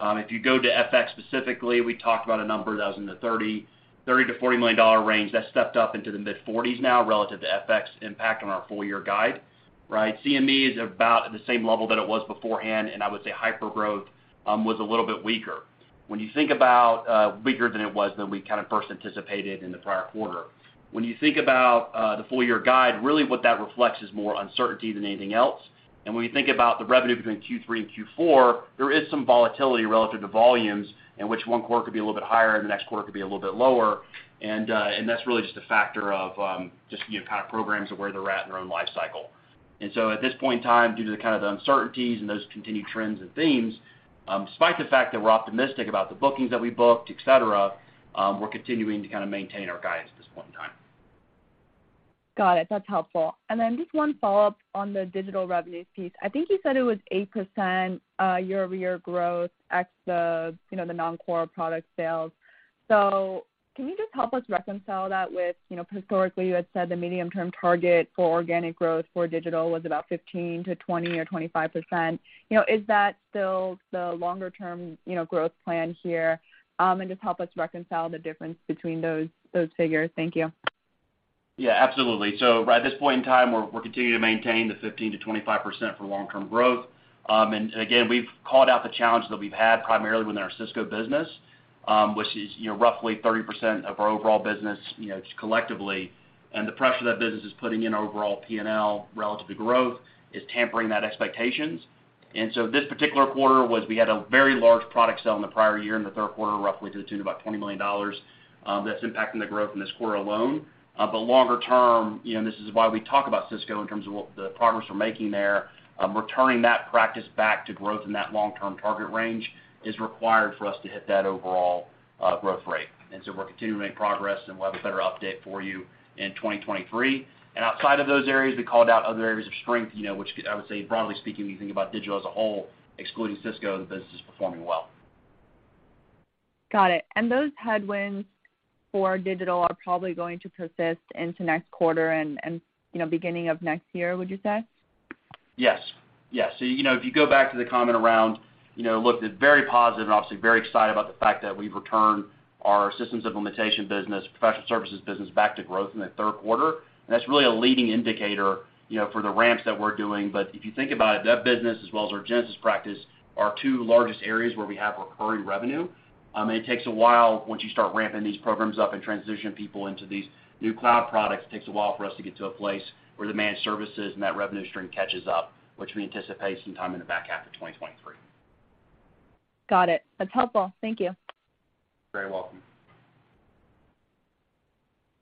If you go to FX specifically, we talked about a number that was in the $30 million-$40 million range. That's stepped up into the mid-$40 million now relative to FX impact on our full year guide, right? CME is about at the same level that it was beforehand, and I would say hypergrowth was a little bit weaker than we kind of first anticipated in the prior quarter. When you think about the full year guide, really what that reflects is more uncertainty than anything else. When you think about the revenue between Q3 and Q4, there is some volatility relative to volumes in which one quarter could be a little bit higher and the next quarter could be a little bit lower. That's really just a factor of just you know kind of programs and where they're at in their own life cycle. At this point in time, due to the kind of uncertainties and those continued trends and themes, despite the fact that we're optimistic about the bookings that we booked, et cetera, we're continuing to kind of maintain our guidance at this point in time. Got it. That's helpful. Just one follow-up on the digital revenues piece. I think you said it was 8%, year-over-year growth ex the, you know, the non-core product sales. Can you just help us reconcile that with, you know, historically, you had said the medium-term target for organic growth for digital was about 15%-20% or 25%. You know, is that still the longer term, you know, growth plan here? Just help us reconcile the difference between those figures. Thank you. Yeah, absolutely. Right at this point in time, we're continuing to maintain the 15%-25% for long-term growth. Again, we've called out the challenges that we've had primarily within our Cisco business, which is, you know, roughly 30% of our overall business, you know, just collectively. The pressure that business is putting in our overall P&L relative to growth is tempering those expectations. This particular quarter, we had a very large product sale in the prior year, in the third quarter, roughly to the tune of about $20 million, that's impacting the growth in this quarter alone. Longer term, you know, and this is why we talk about Cisco in terms of what the progress we're making there, returning that practice back to growth in that long-term target range is required for us to hit that overall growth rate. We're continuing to make progress, and we'll have a better update for you in 2023. Outside of those areas, we called out other areas of strength, you know. I would say, broadly speaking, when you think about digital as a whole, excluding Cisco, the business is performing well. Got it. Those headwinds for digital are probably going to persist into next quarter and, you know, beginning of next year, would you say? Yes. Yes. You know, if you go back to the comment. You know, look, they're very positive and obviously very excited about the fact that we've returned our systems implementation business, professional services business back to growth in the third quarter. That's really a leading indicator, you know, for the ramps that we're doing. If you think about it, that business as well as our Genesys practice are our two largest areas where we have recurring revenue. It takes a while once you start ramping these programs up and transition people into these new cloud products. It takes a while for us to get to a place where the managed services and that revenue stream catches up, which we anticipate sometime in the back half of 2023. Got it. That's helpful. Thank you. You're very welcome.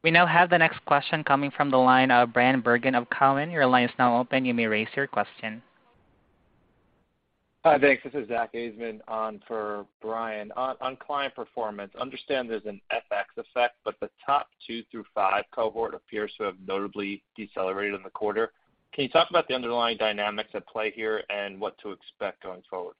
We now have the next question coming from the line of Bryan Bergin of Cowen. Your line is now open. You may raise your question. Hi. Thanks. This is Zach Ajzenman on for Brian. On client performance, understand there's an FX effect, but the top two through 5 cohort appears to have notably decelerated in the quarter. Can you talk about the underlying dynamics at play here and what to expect going forward?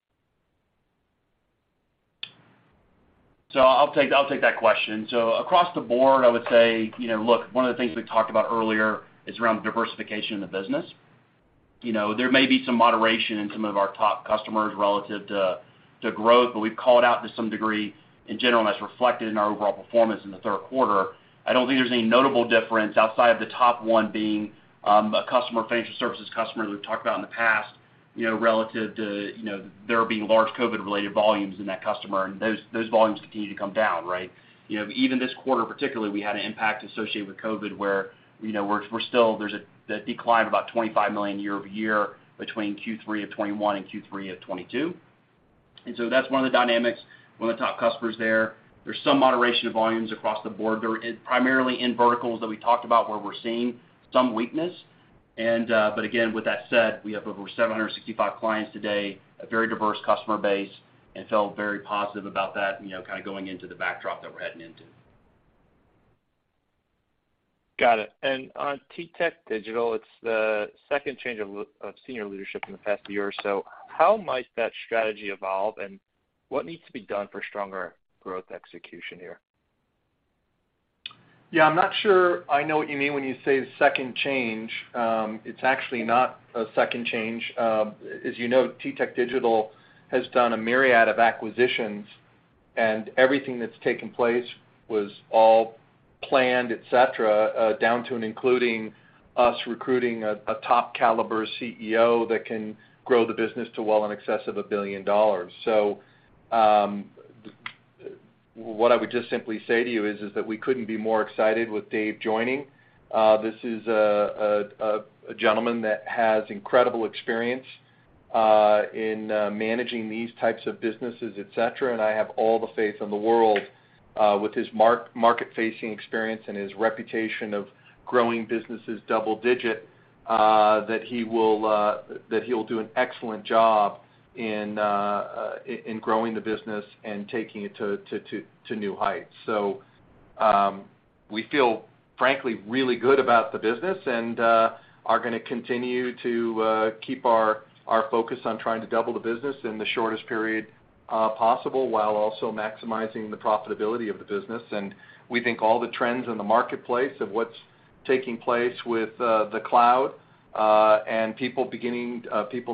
I'll take that question. Across the board, I would say, you know, look, one of the things we talked about earlier is around the diversification of the business. You know, there may be some moderation in some of our top customers relative to growth, but we've called out to some degree in general, and that's reflected in our overall performance in the third quarter. I don't think there's any notable difference outside of the top one being a customer, financial services customer that we've talked about in the past, you know, relative to there being large COVID-related volumes in that customer, and those volumes continue to come down, right? You know, even this quarter, particularly, we had an impact associated with COVID where, you know, we're still there's a decline of about $25 million year-over-year between Q3 of 2021 and Q3 of 2022. That's one of the dynamics with the top customers there. There's some moderation of volumes across the board. They're primarily in verticals that we talked about where we're seeing some weakness. Again, with that said, we have over 765 clients today, a very diverse customer base, and feel very positive about that, and, you know, kind of going into the backdrop that we're heading into. Got it. On TTEC Digital, it's the second change of senior leadership in the past year or so. How might that strategy evolve, and what needs to be done for stronger growth execution here? Yeah, I'm not sure I know what you mean when you say second chance. It's actually not a second chance. As you know, TTEC Digital has done a myriad of acquisitions, and everything that's taken place was all planned, et cetera, down to and including us recruiting a top caliber CEO that can grow the business to well in excess of $1 billion. What I would just simply say to you is that we couldn't be more excited with Dave joining. This is a gentleman that has incredible experience in managing these types of businesses, et cetera. I have all the faith in the world with his market-facing experience and his reputation of growing businesses double-digit that he'll do an excellent job in growing the business and taking it to new heights. We feel frankly really good about the business and are gonna continue to keep our focus on trying to double the business in the shortest period possible, while also maximizing the profitability of the business. We think all the trends in the marketplace of what's taking place with the cloud and people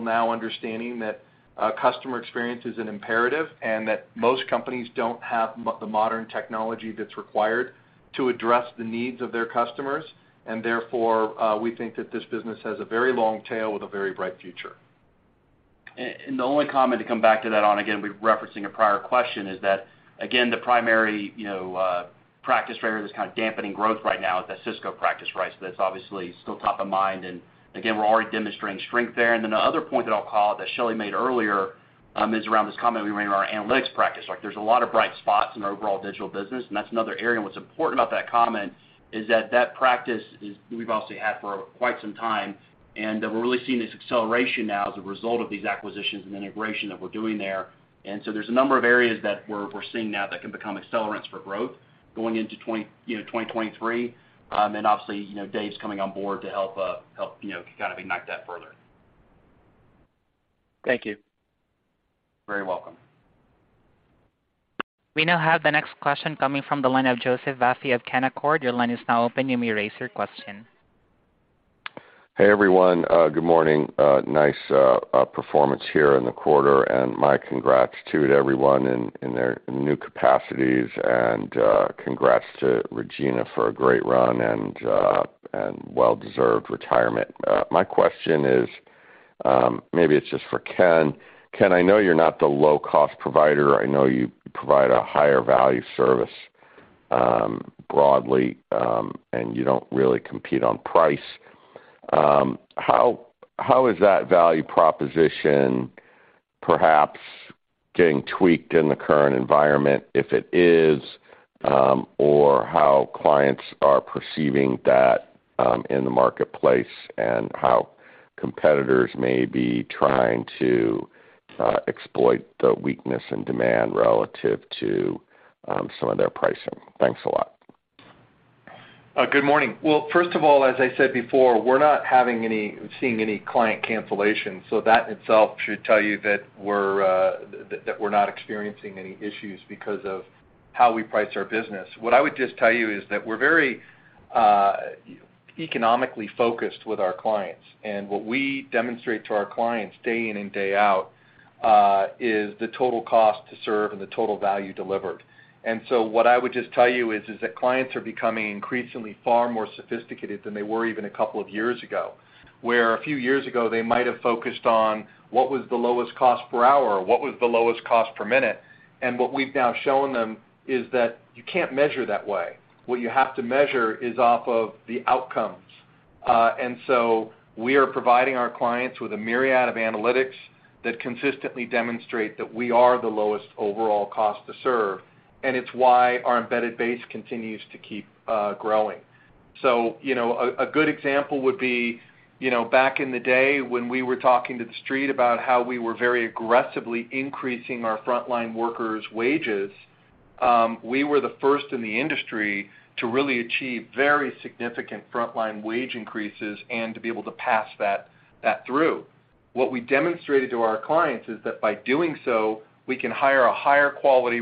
now understanding that customer experience is an imperative, and that most companies don't have the modern technology that's required to address the needs of their customers. We think that this business has a very long tail with a very bright future. The only comment to come back to that on, again, we're referencing a prior question, is that, again, the primary, you know, practice area that's kind of dampening growth right now is that Cisco practice, right? That's obviously still top of mind, and again, we're already demonstrating strength there. The other point that I'll call out that Shelley made earlier is around this comment we made around our analytics practice, right? There's a lot of bright spots in our overall digital business, and that's another area. What's important about that comment is that that practice is we've obviously had for quite some time, and we're really seeing this acceleration now as a result of these acquisitions and integration that we're doing there. There's a number of areas that we're seeing now that can become accelerants for growth going into 2023. Obviously, you know, Dave's coming on board to help, you know, kind of ignite that further. Thank you. You're very welcome. We now have the next question coming from the line of Joseph Vafi of Canaccord Genuity. Your line is now open. You may raise your question. Hey, everyone. Good morning. Nice performance here in the quarter, and my congrats too to everyone in their new capacities. Congrats to Regina for a great run and well-deserved retirement. My question is, maybe it's just for Ken. Ken, I know you're not the low-cost provider. I know you provide a higher value service, broadly, and you don't really compete on price. How is that value proposition perhaps getting tweaked in the current environment if it is, or how clients are perceiving that in the marketplace and how competitors may be trying to exploit the weakness in demand relative to some of their pricing? Thanks a lot. Good morning. Well, first of all, as I said before, we're not seeing any client cancellations, so that in itself should tell you that we're that we're not experiencing any issues because of how we price our business. What I would just tell you is that we're very economically focused with our clients. What we demonstrate to our clients day in and day out is the total cost to serve and the total value delivered. What I would just tell you is that clients are becoming increasingly far more sophisticated than they were even a couple of years ago. Where a few years ago, they might have focused on what was the lowest cost per hour or what was the lowest cost per minute, and what we've now shown them is that you can't measure that way. What you have to measure is off of the outcomes. We are providing our clients with a myriad of analytics that consistently demonstrate that we are the lowest overall cost to serve, and it's why our embedded base continues to keep growing. A good example would be, you know, back in the day when we were talking to the street about how we were very aggressively increasing our frontline workers' wages, we were the first in the industry to really achieve very significant frontline wage increases and to be able to pass that through. What we demonstrated to our clients is that by doing so, we can hire a higher quality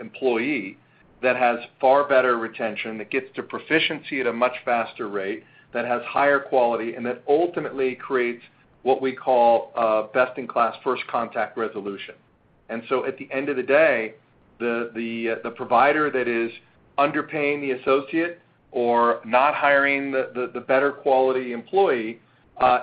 employee that has far better retention, that gets to proficiency at a much faster rate, that has higher quality, and that ultimately creates what we call a best-in-class first contact resolution. At the end of the day, the provider that is underpaying the associate or not hiring the better quality employee,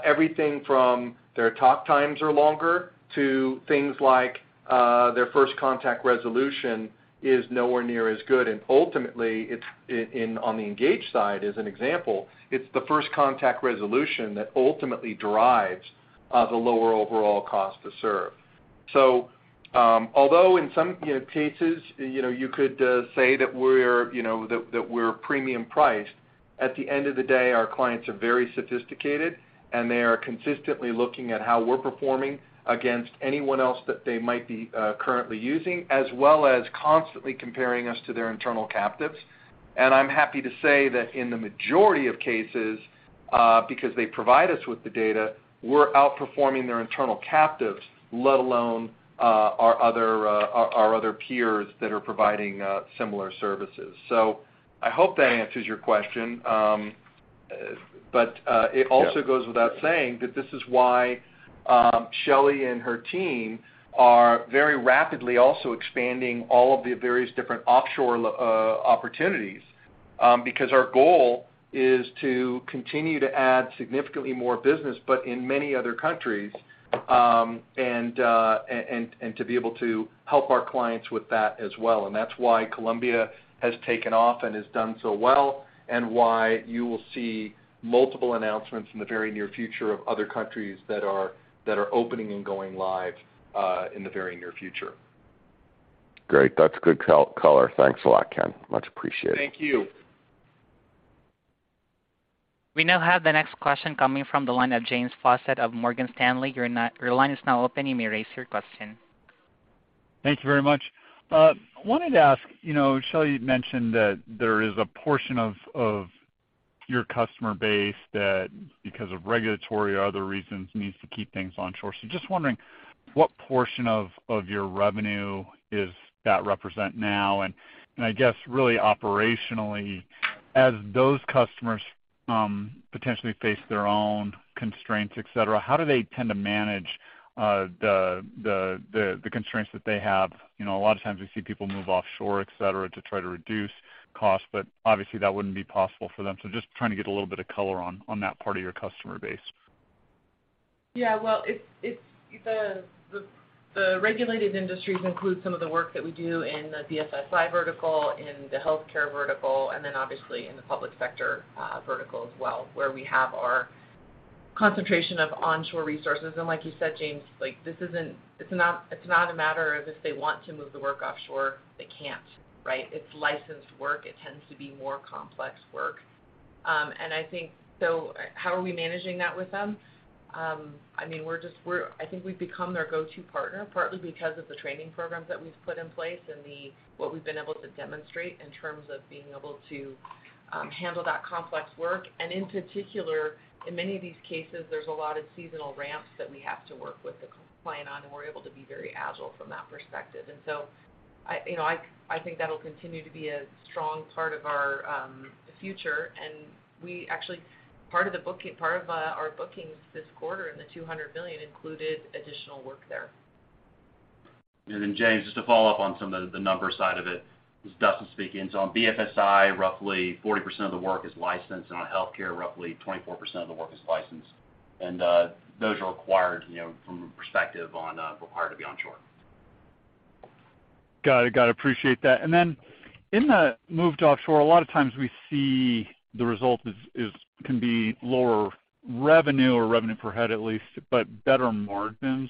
everything from their talk times are longer to things like their first contact resolution is nowhere near as good. Ultimately, it's on the engaged side, as an example, it's the first contact resolution that ultimately drives the lower overall cost to serve. Although in some, you know, cases, you know, you could say that we're, you know, that we're premium priced, at the end of the day, our clients are very sophisticated, and they are consistently looking at how we're performing against anyone else that they might be currently using, as well as constantly comparing us to their internal captives. I'm happy to say that in the majority of cases, because they provide us with the data, we're outperforming their internal captives, let alone our other peers that are providing similar services. I hope that answers your question. It also goes without saying that this is why Shelley and her team are very rapidly also expanding all of the various different offshore opportunities, because our goal is to continue to add significantly more business, but in many other countries, and to be able to help our clients with that as well. That's why Colombia has taken off and has done so well, and why you will see multiple announcements in the very near future of other countries that are opening and going live in the very near future. Great. That's good color. Thanks a lot, Ken. Much appreciated. Thank you. We now have the next question coming from the line of James Fawcett of Morgan Stanley. Your line is now open. You may raise your question. Thank you very much. Wanted to ask, you know, Shelley mentioned that there is a portion of your customer base that because of regulatory or other reasons, needs to keep things onshore. Just wondering what portion of your revenue is that represent now? I guess really operationally, as those customers potentially face their own constraints, et cetera, how do they tend to manage the constraints that they have? You know, a lot of times we see people move offshore, et cetera, to try to reduce costs, but obviously, that wouldn't be possible for them. Just trying to get a little bit of color on that part of your customer base. Yeah. Well, it's the regulated industries include some of the work that we do in the BFSI vertical, in the healthcare vertical, and then obviously in the public sector vertical as well, where we have our concentration of onshore resources. Like you said, James, like this isn't. It's not a matter of if they want to move the work offshore, they can't, right? It's licensed work. It tends to be more complex work. I think, so how are we managing that with them? I mean, I think we've become their go-to partner, partly because of the training programs that we've put in place and what we've been able to demonstrate in terms of being able to handle that complex work. In particular, in many of these cases, there's a lot of seasonal ramps that we have to work with the client on, and we're able to be very agile from that perspective. I, you know, I think that'll continue to be a strong part of our future. We actually, part of our bookings this quarter in the $200 million included additional work there. James, just to follow up on some of the numbers side of it, this is Dustin speaking. On BFSI, roughly 40% of the work is licensed, and on healthcare, roughly 24% of the work is licensed. Those are required, you know, from a perspective on, required to be onshore. Got it. Appreciate that. In the move to offshore, a lot of times we see the result is can be lower revenue or revenue per head at least, but better margins.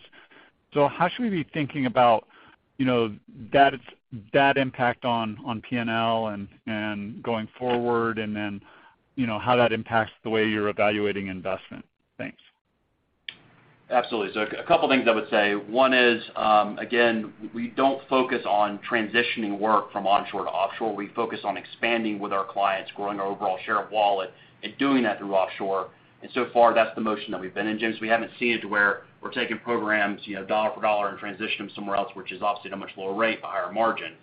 How should we be thinking about, you know, that impact on P&L and going forward, and then, you know, how that impacts the way you're evaluating investment? Thanks. Absolutely. A couple things I would say. One is, again, we don't focus on transitioning work from onshore to offshore. We focus on expanding with our clients, growing our overall share of wallet and doing that through offshore. So far, that's the motion that we've been in, James. We haven't seen it to where we're taking programs, you know, dollar for dollar and transition them somewhere else, which is obviously at a much lower rate, but higher margin.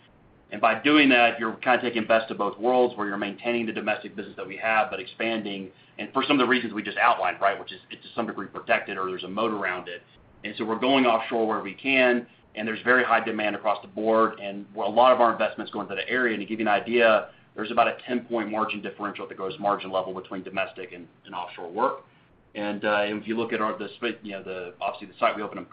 By doing that, you're kind of taking best of both worlds where you're maintaining the domestic business that we have, but expanding and for some of the reasons we just outlined, right? Which is it's to some degree protected or there's a moat around it. We're going offshore where we can, and there's very high demand across the board, and where a lot of our investments go into the area. To give you an idea, there's about a 10-point margin differential at the gross margin level between domestic and offshore work. If you look at our split, you know, the obviously the site we opened up in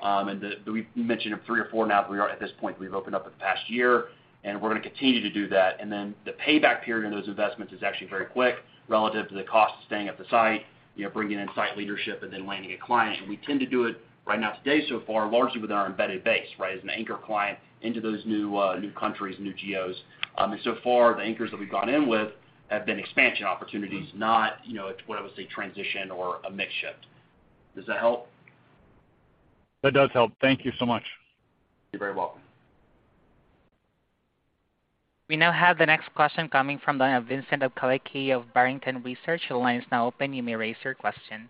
Colombia, we've mentioned them three or four now, but we are at this point, we've opened up in the past year, and we're gonna continue to do that. The payback period on those investments is actually very quick relative to the cost of staying at the site, you know, bringing in site leadership and then landing a client. We tend to do it right now today so far, largely within our embedded base, right? As an anchor client into those new countries, new geos. So far, the anchors that we've gone in with have been expansion opportunities, not, you know, what I would say transition or a mix shift. Does that help? That does help. Thank you so much. You're very welcome. We now have the next question coming from the line of Vincent Colicchio of Barrington Research. Your line is now open, you may raise your question.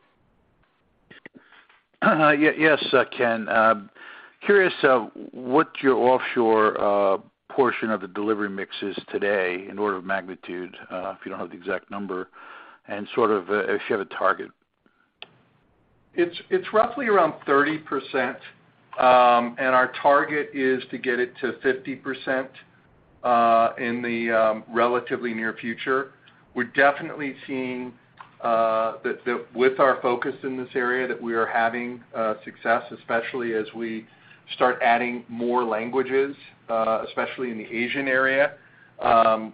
Yes, Ken. Curious what your offshore portion of the delivery mix is today in order of magnitude, if you don't have the exact number and sort of if you have a target. It's roughly around 30%, and our target is to get it to 50% in the relatively near future. We're definitely seeing that with our focus in this area that we are having success, especially as we start adding more languages, especially in the Asian area. That's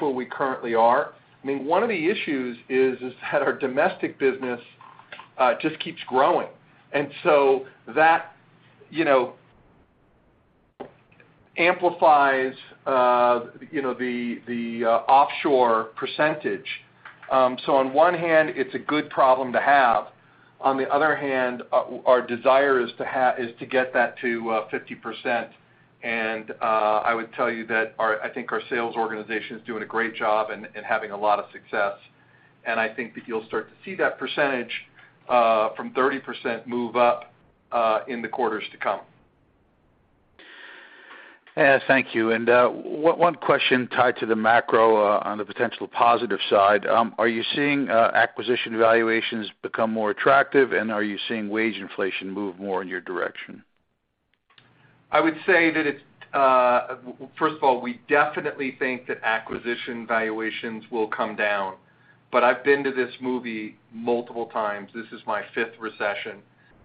where we currently are. I mean, one of the issues is that our domestic business just keeps growing. That you know amplifies you know the offshore percentage. On one hand, it's a good problem to have. On the other hand, our desire is to get that to 50%. I would tell you that I think our sales organization is doing a great job and having a lot of success. I think that you'll start to see that percentage from 30% move up in the quarters to come. Yeah. Thank you. One question tied to the macro on the potential positive side, are you seeing acquisition valuations become more attractive and are you seeing wage inflation move more in your direction? I would say that it's. First of all, we definitely think that acquisition valuations will come down. I've been to this movie multiple times. This is my fifth recession,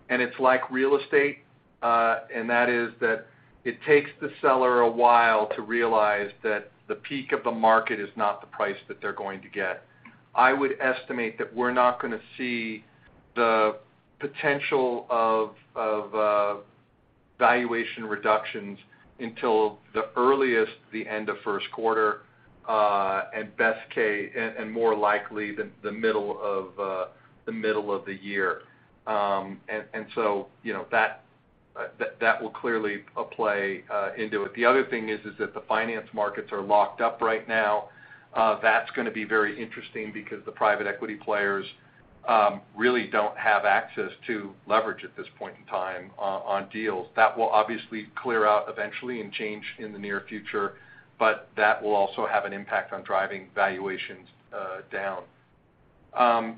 and it's like real estate, and that is that it takes the seller a while to realize that the peak of the market is not the price that they're going to get. I would estimate that we're not gonna see the potential of valuation reductions until the earliest, the end of first quarter, and best case, and more likely the middle of the year. So, you know, that will clearly play into it. The other thing is that the financial markets are locked up right now. That's gonna be very interesting because the private equity players really don't have access to leverage at this point in time on deals. That will obviously clear out eventually and change in the near future, but that will also have an impact on driving valuations down.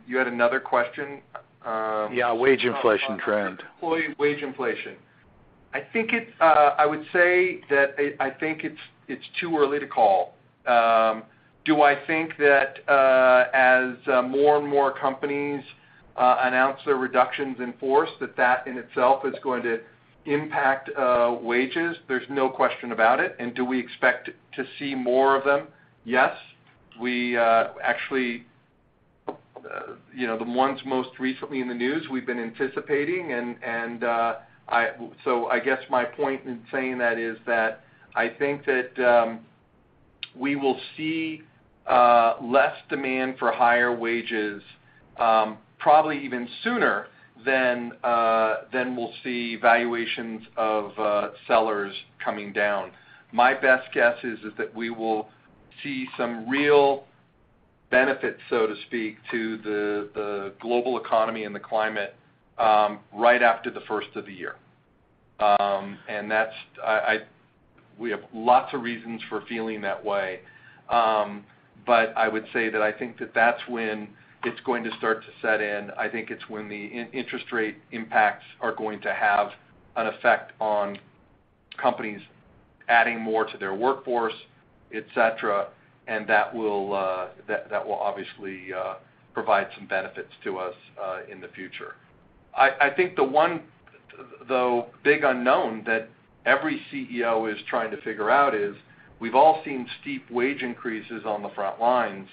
You had another question. Yeah, wage inflation trend. Employee wage inflation. I think it's too early to call. Do I think that as more and more companies announce their reductions in force that in itself is going to impact wages? There's no question about it. Do we expect to see more of them? Yes. We actually, you know, the ones most recently in the news we've been anticipating. I guess my point in saying that is that I think that we will see less demand for higher wages, probably even sooner than we'll see valuations of sellers coming down. My best guess is that we will see some real benefits, so to speak, to the global economy and the climate right after the first of the year. That's we have lots of reasons for feeling that way. I would say that I think that that's when it's going to start to set in. I think it's when the interest-rate impacts are going to have an effect on companies adding more to their workforce, et cetera, and that will obviously provide some benefits to us in the future. I think the big unknown that every CEO is trying to figure out is we've all seen steep wage increases on the front lines.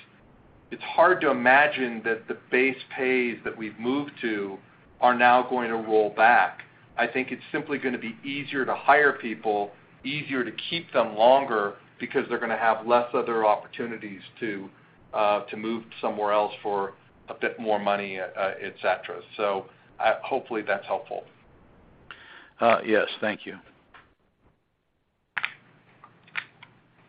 It's hard to imagine that the base pays that we've moved to are now going to roll back. I think it's simply gonna be easier to hire people, easier to keep them longer because they're gonna have less other opportunities to move somewhere else for a bit more money, et cetera. Hopefully, that's helpful. Yes. Thank you.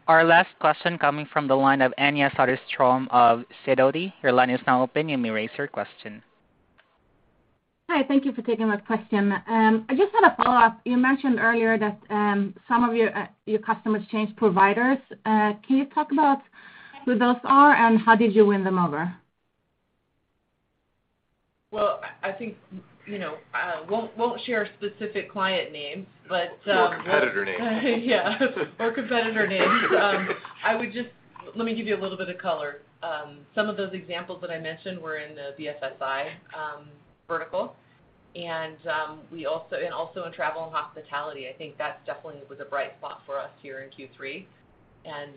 Our last question coming from the line of Anja Soderstrom of Sidoti. Your line is now open. You may raise your question. Hi, thank you for taking my question. I just had a follow-up. You mentioned earlier that some of your customers change providers. Can you talk about who those are and how did you win them over? Well, I think you know won't share a specific client name, but. competitor names. Yeah. Competitor names. Let me give you a little bit of color. Some of those examples that I mentioned were in the BFSI vertical, and also in travel and hospitality. I think that's definitely was a bright spot for us here in Q3, and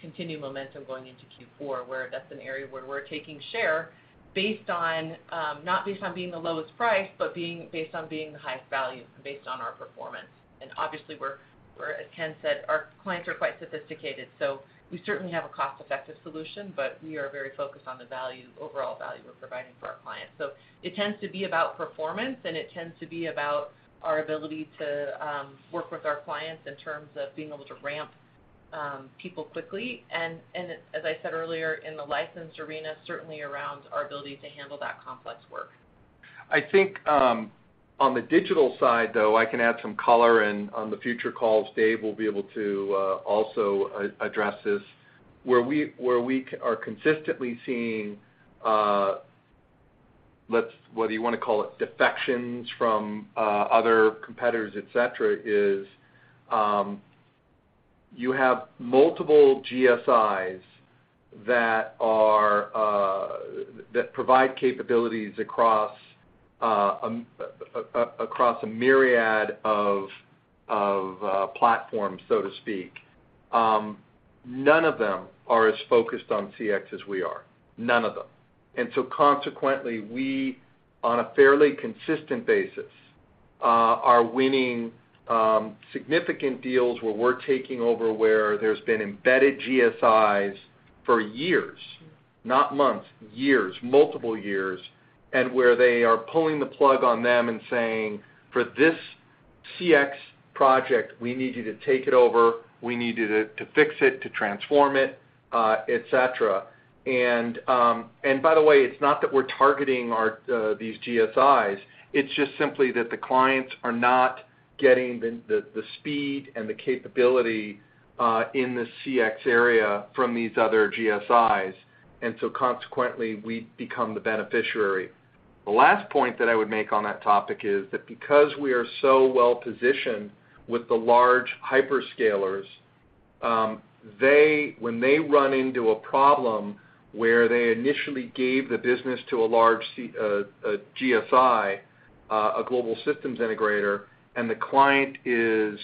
continued momentum going into Q4, where that's an area where we're taking share based on not based on being the lowest price, but being based on being the highest value based on our performance. Obviously we're, as Ken said, our clients are quite sophisticated, so we certainly have a cost-effective solution, but we are very focused on the value, overall value we're providing for our clients. It tends to be about performance, and it tends to be about our ability to work with our clients in terms of being able to ramp people quickly and as I said earlier, in the licensed arena, certainly around our ability to handle that complex work. I think on the digital side, though, I can add some color, and on the future calls, Dave will be able to also address this, where we are consistently seeing whether you wanna call it defections from other competitors, et cetera, you have multiple GSIs that provide capabilities across a myriad of platforms, so to speak. None of them are as focused on CX as we are. None of them. Consequently, we on a fairly consistent basis are winning significant deals where we're taking over where there's been embedded GSIs for years, not months, years, multiple years, and where they are pulling the plug on them and saying, "For this CX project, we need you to take it over. We need you to fix it, to transform it, et cetera. By the way, it's not that we're targeting our these GSIs. It's just simply that the clients are not getting the speed and the capability in the CX area from these other GSIs. Consequently, we become the beneficiary. The last point that I would make on that topic is that because we are so well-positioned with the large hyperscalers, they. When they run into a problem where they initially gave the business to a large GSI, a global systems integrator, and the client is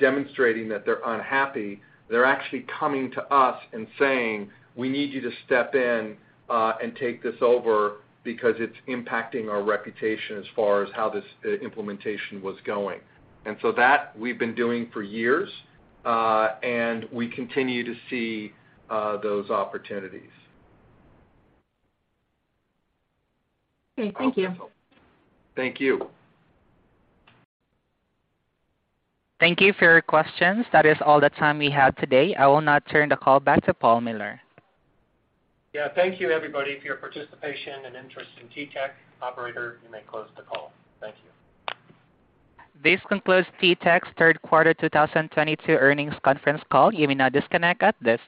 demonstrating that they're unhappy, they're actually coming to us and saying, "We need you to step in and take this over because it's impacting our reputation as far as how this implementation was going." That we've been doing for years, and we continue to see those opportunities. Okay. Thank you. Thank you. Thank you for your questions. That is all the time we have today. I will now turn the call back to Paul Miller. Yeah. Thank you, everybody, for your participation and interest in TTEC. Operator, you may close the call. Thank you. This concludes TTEC's third quarter 2022 earnings conference call. You may now disconnect at this time.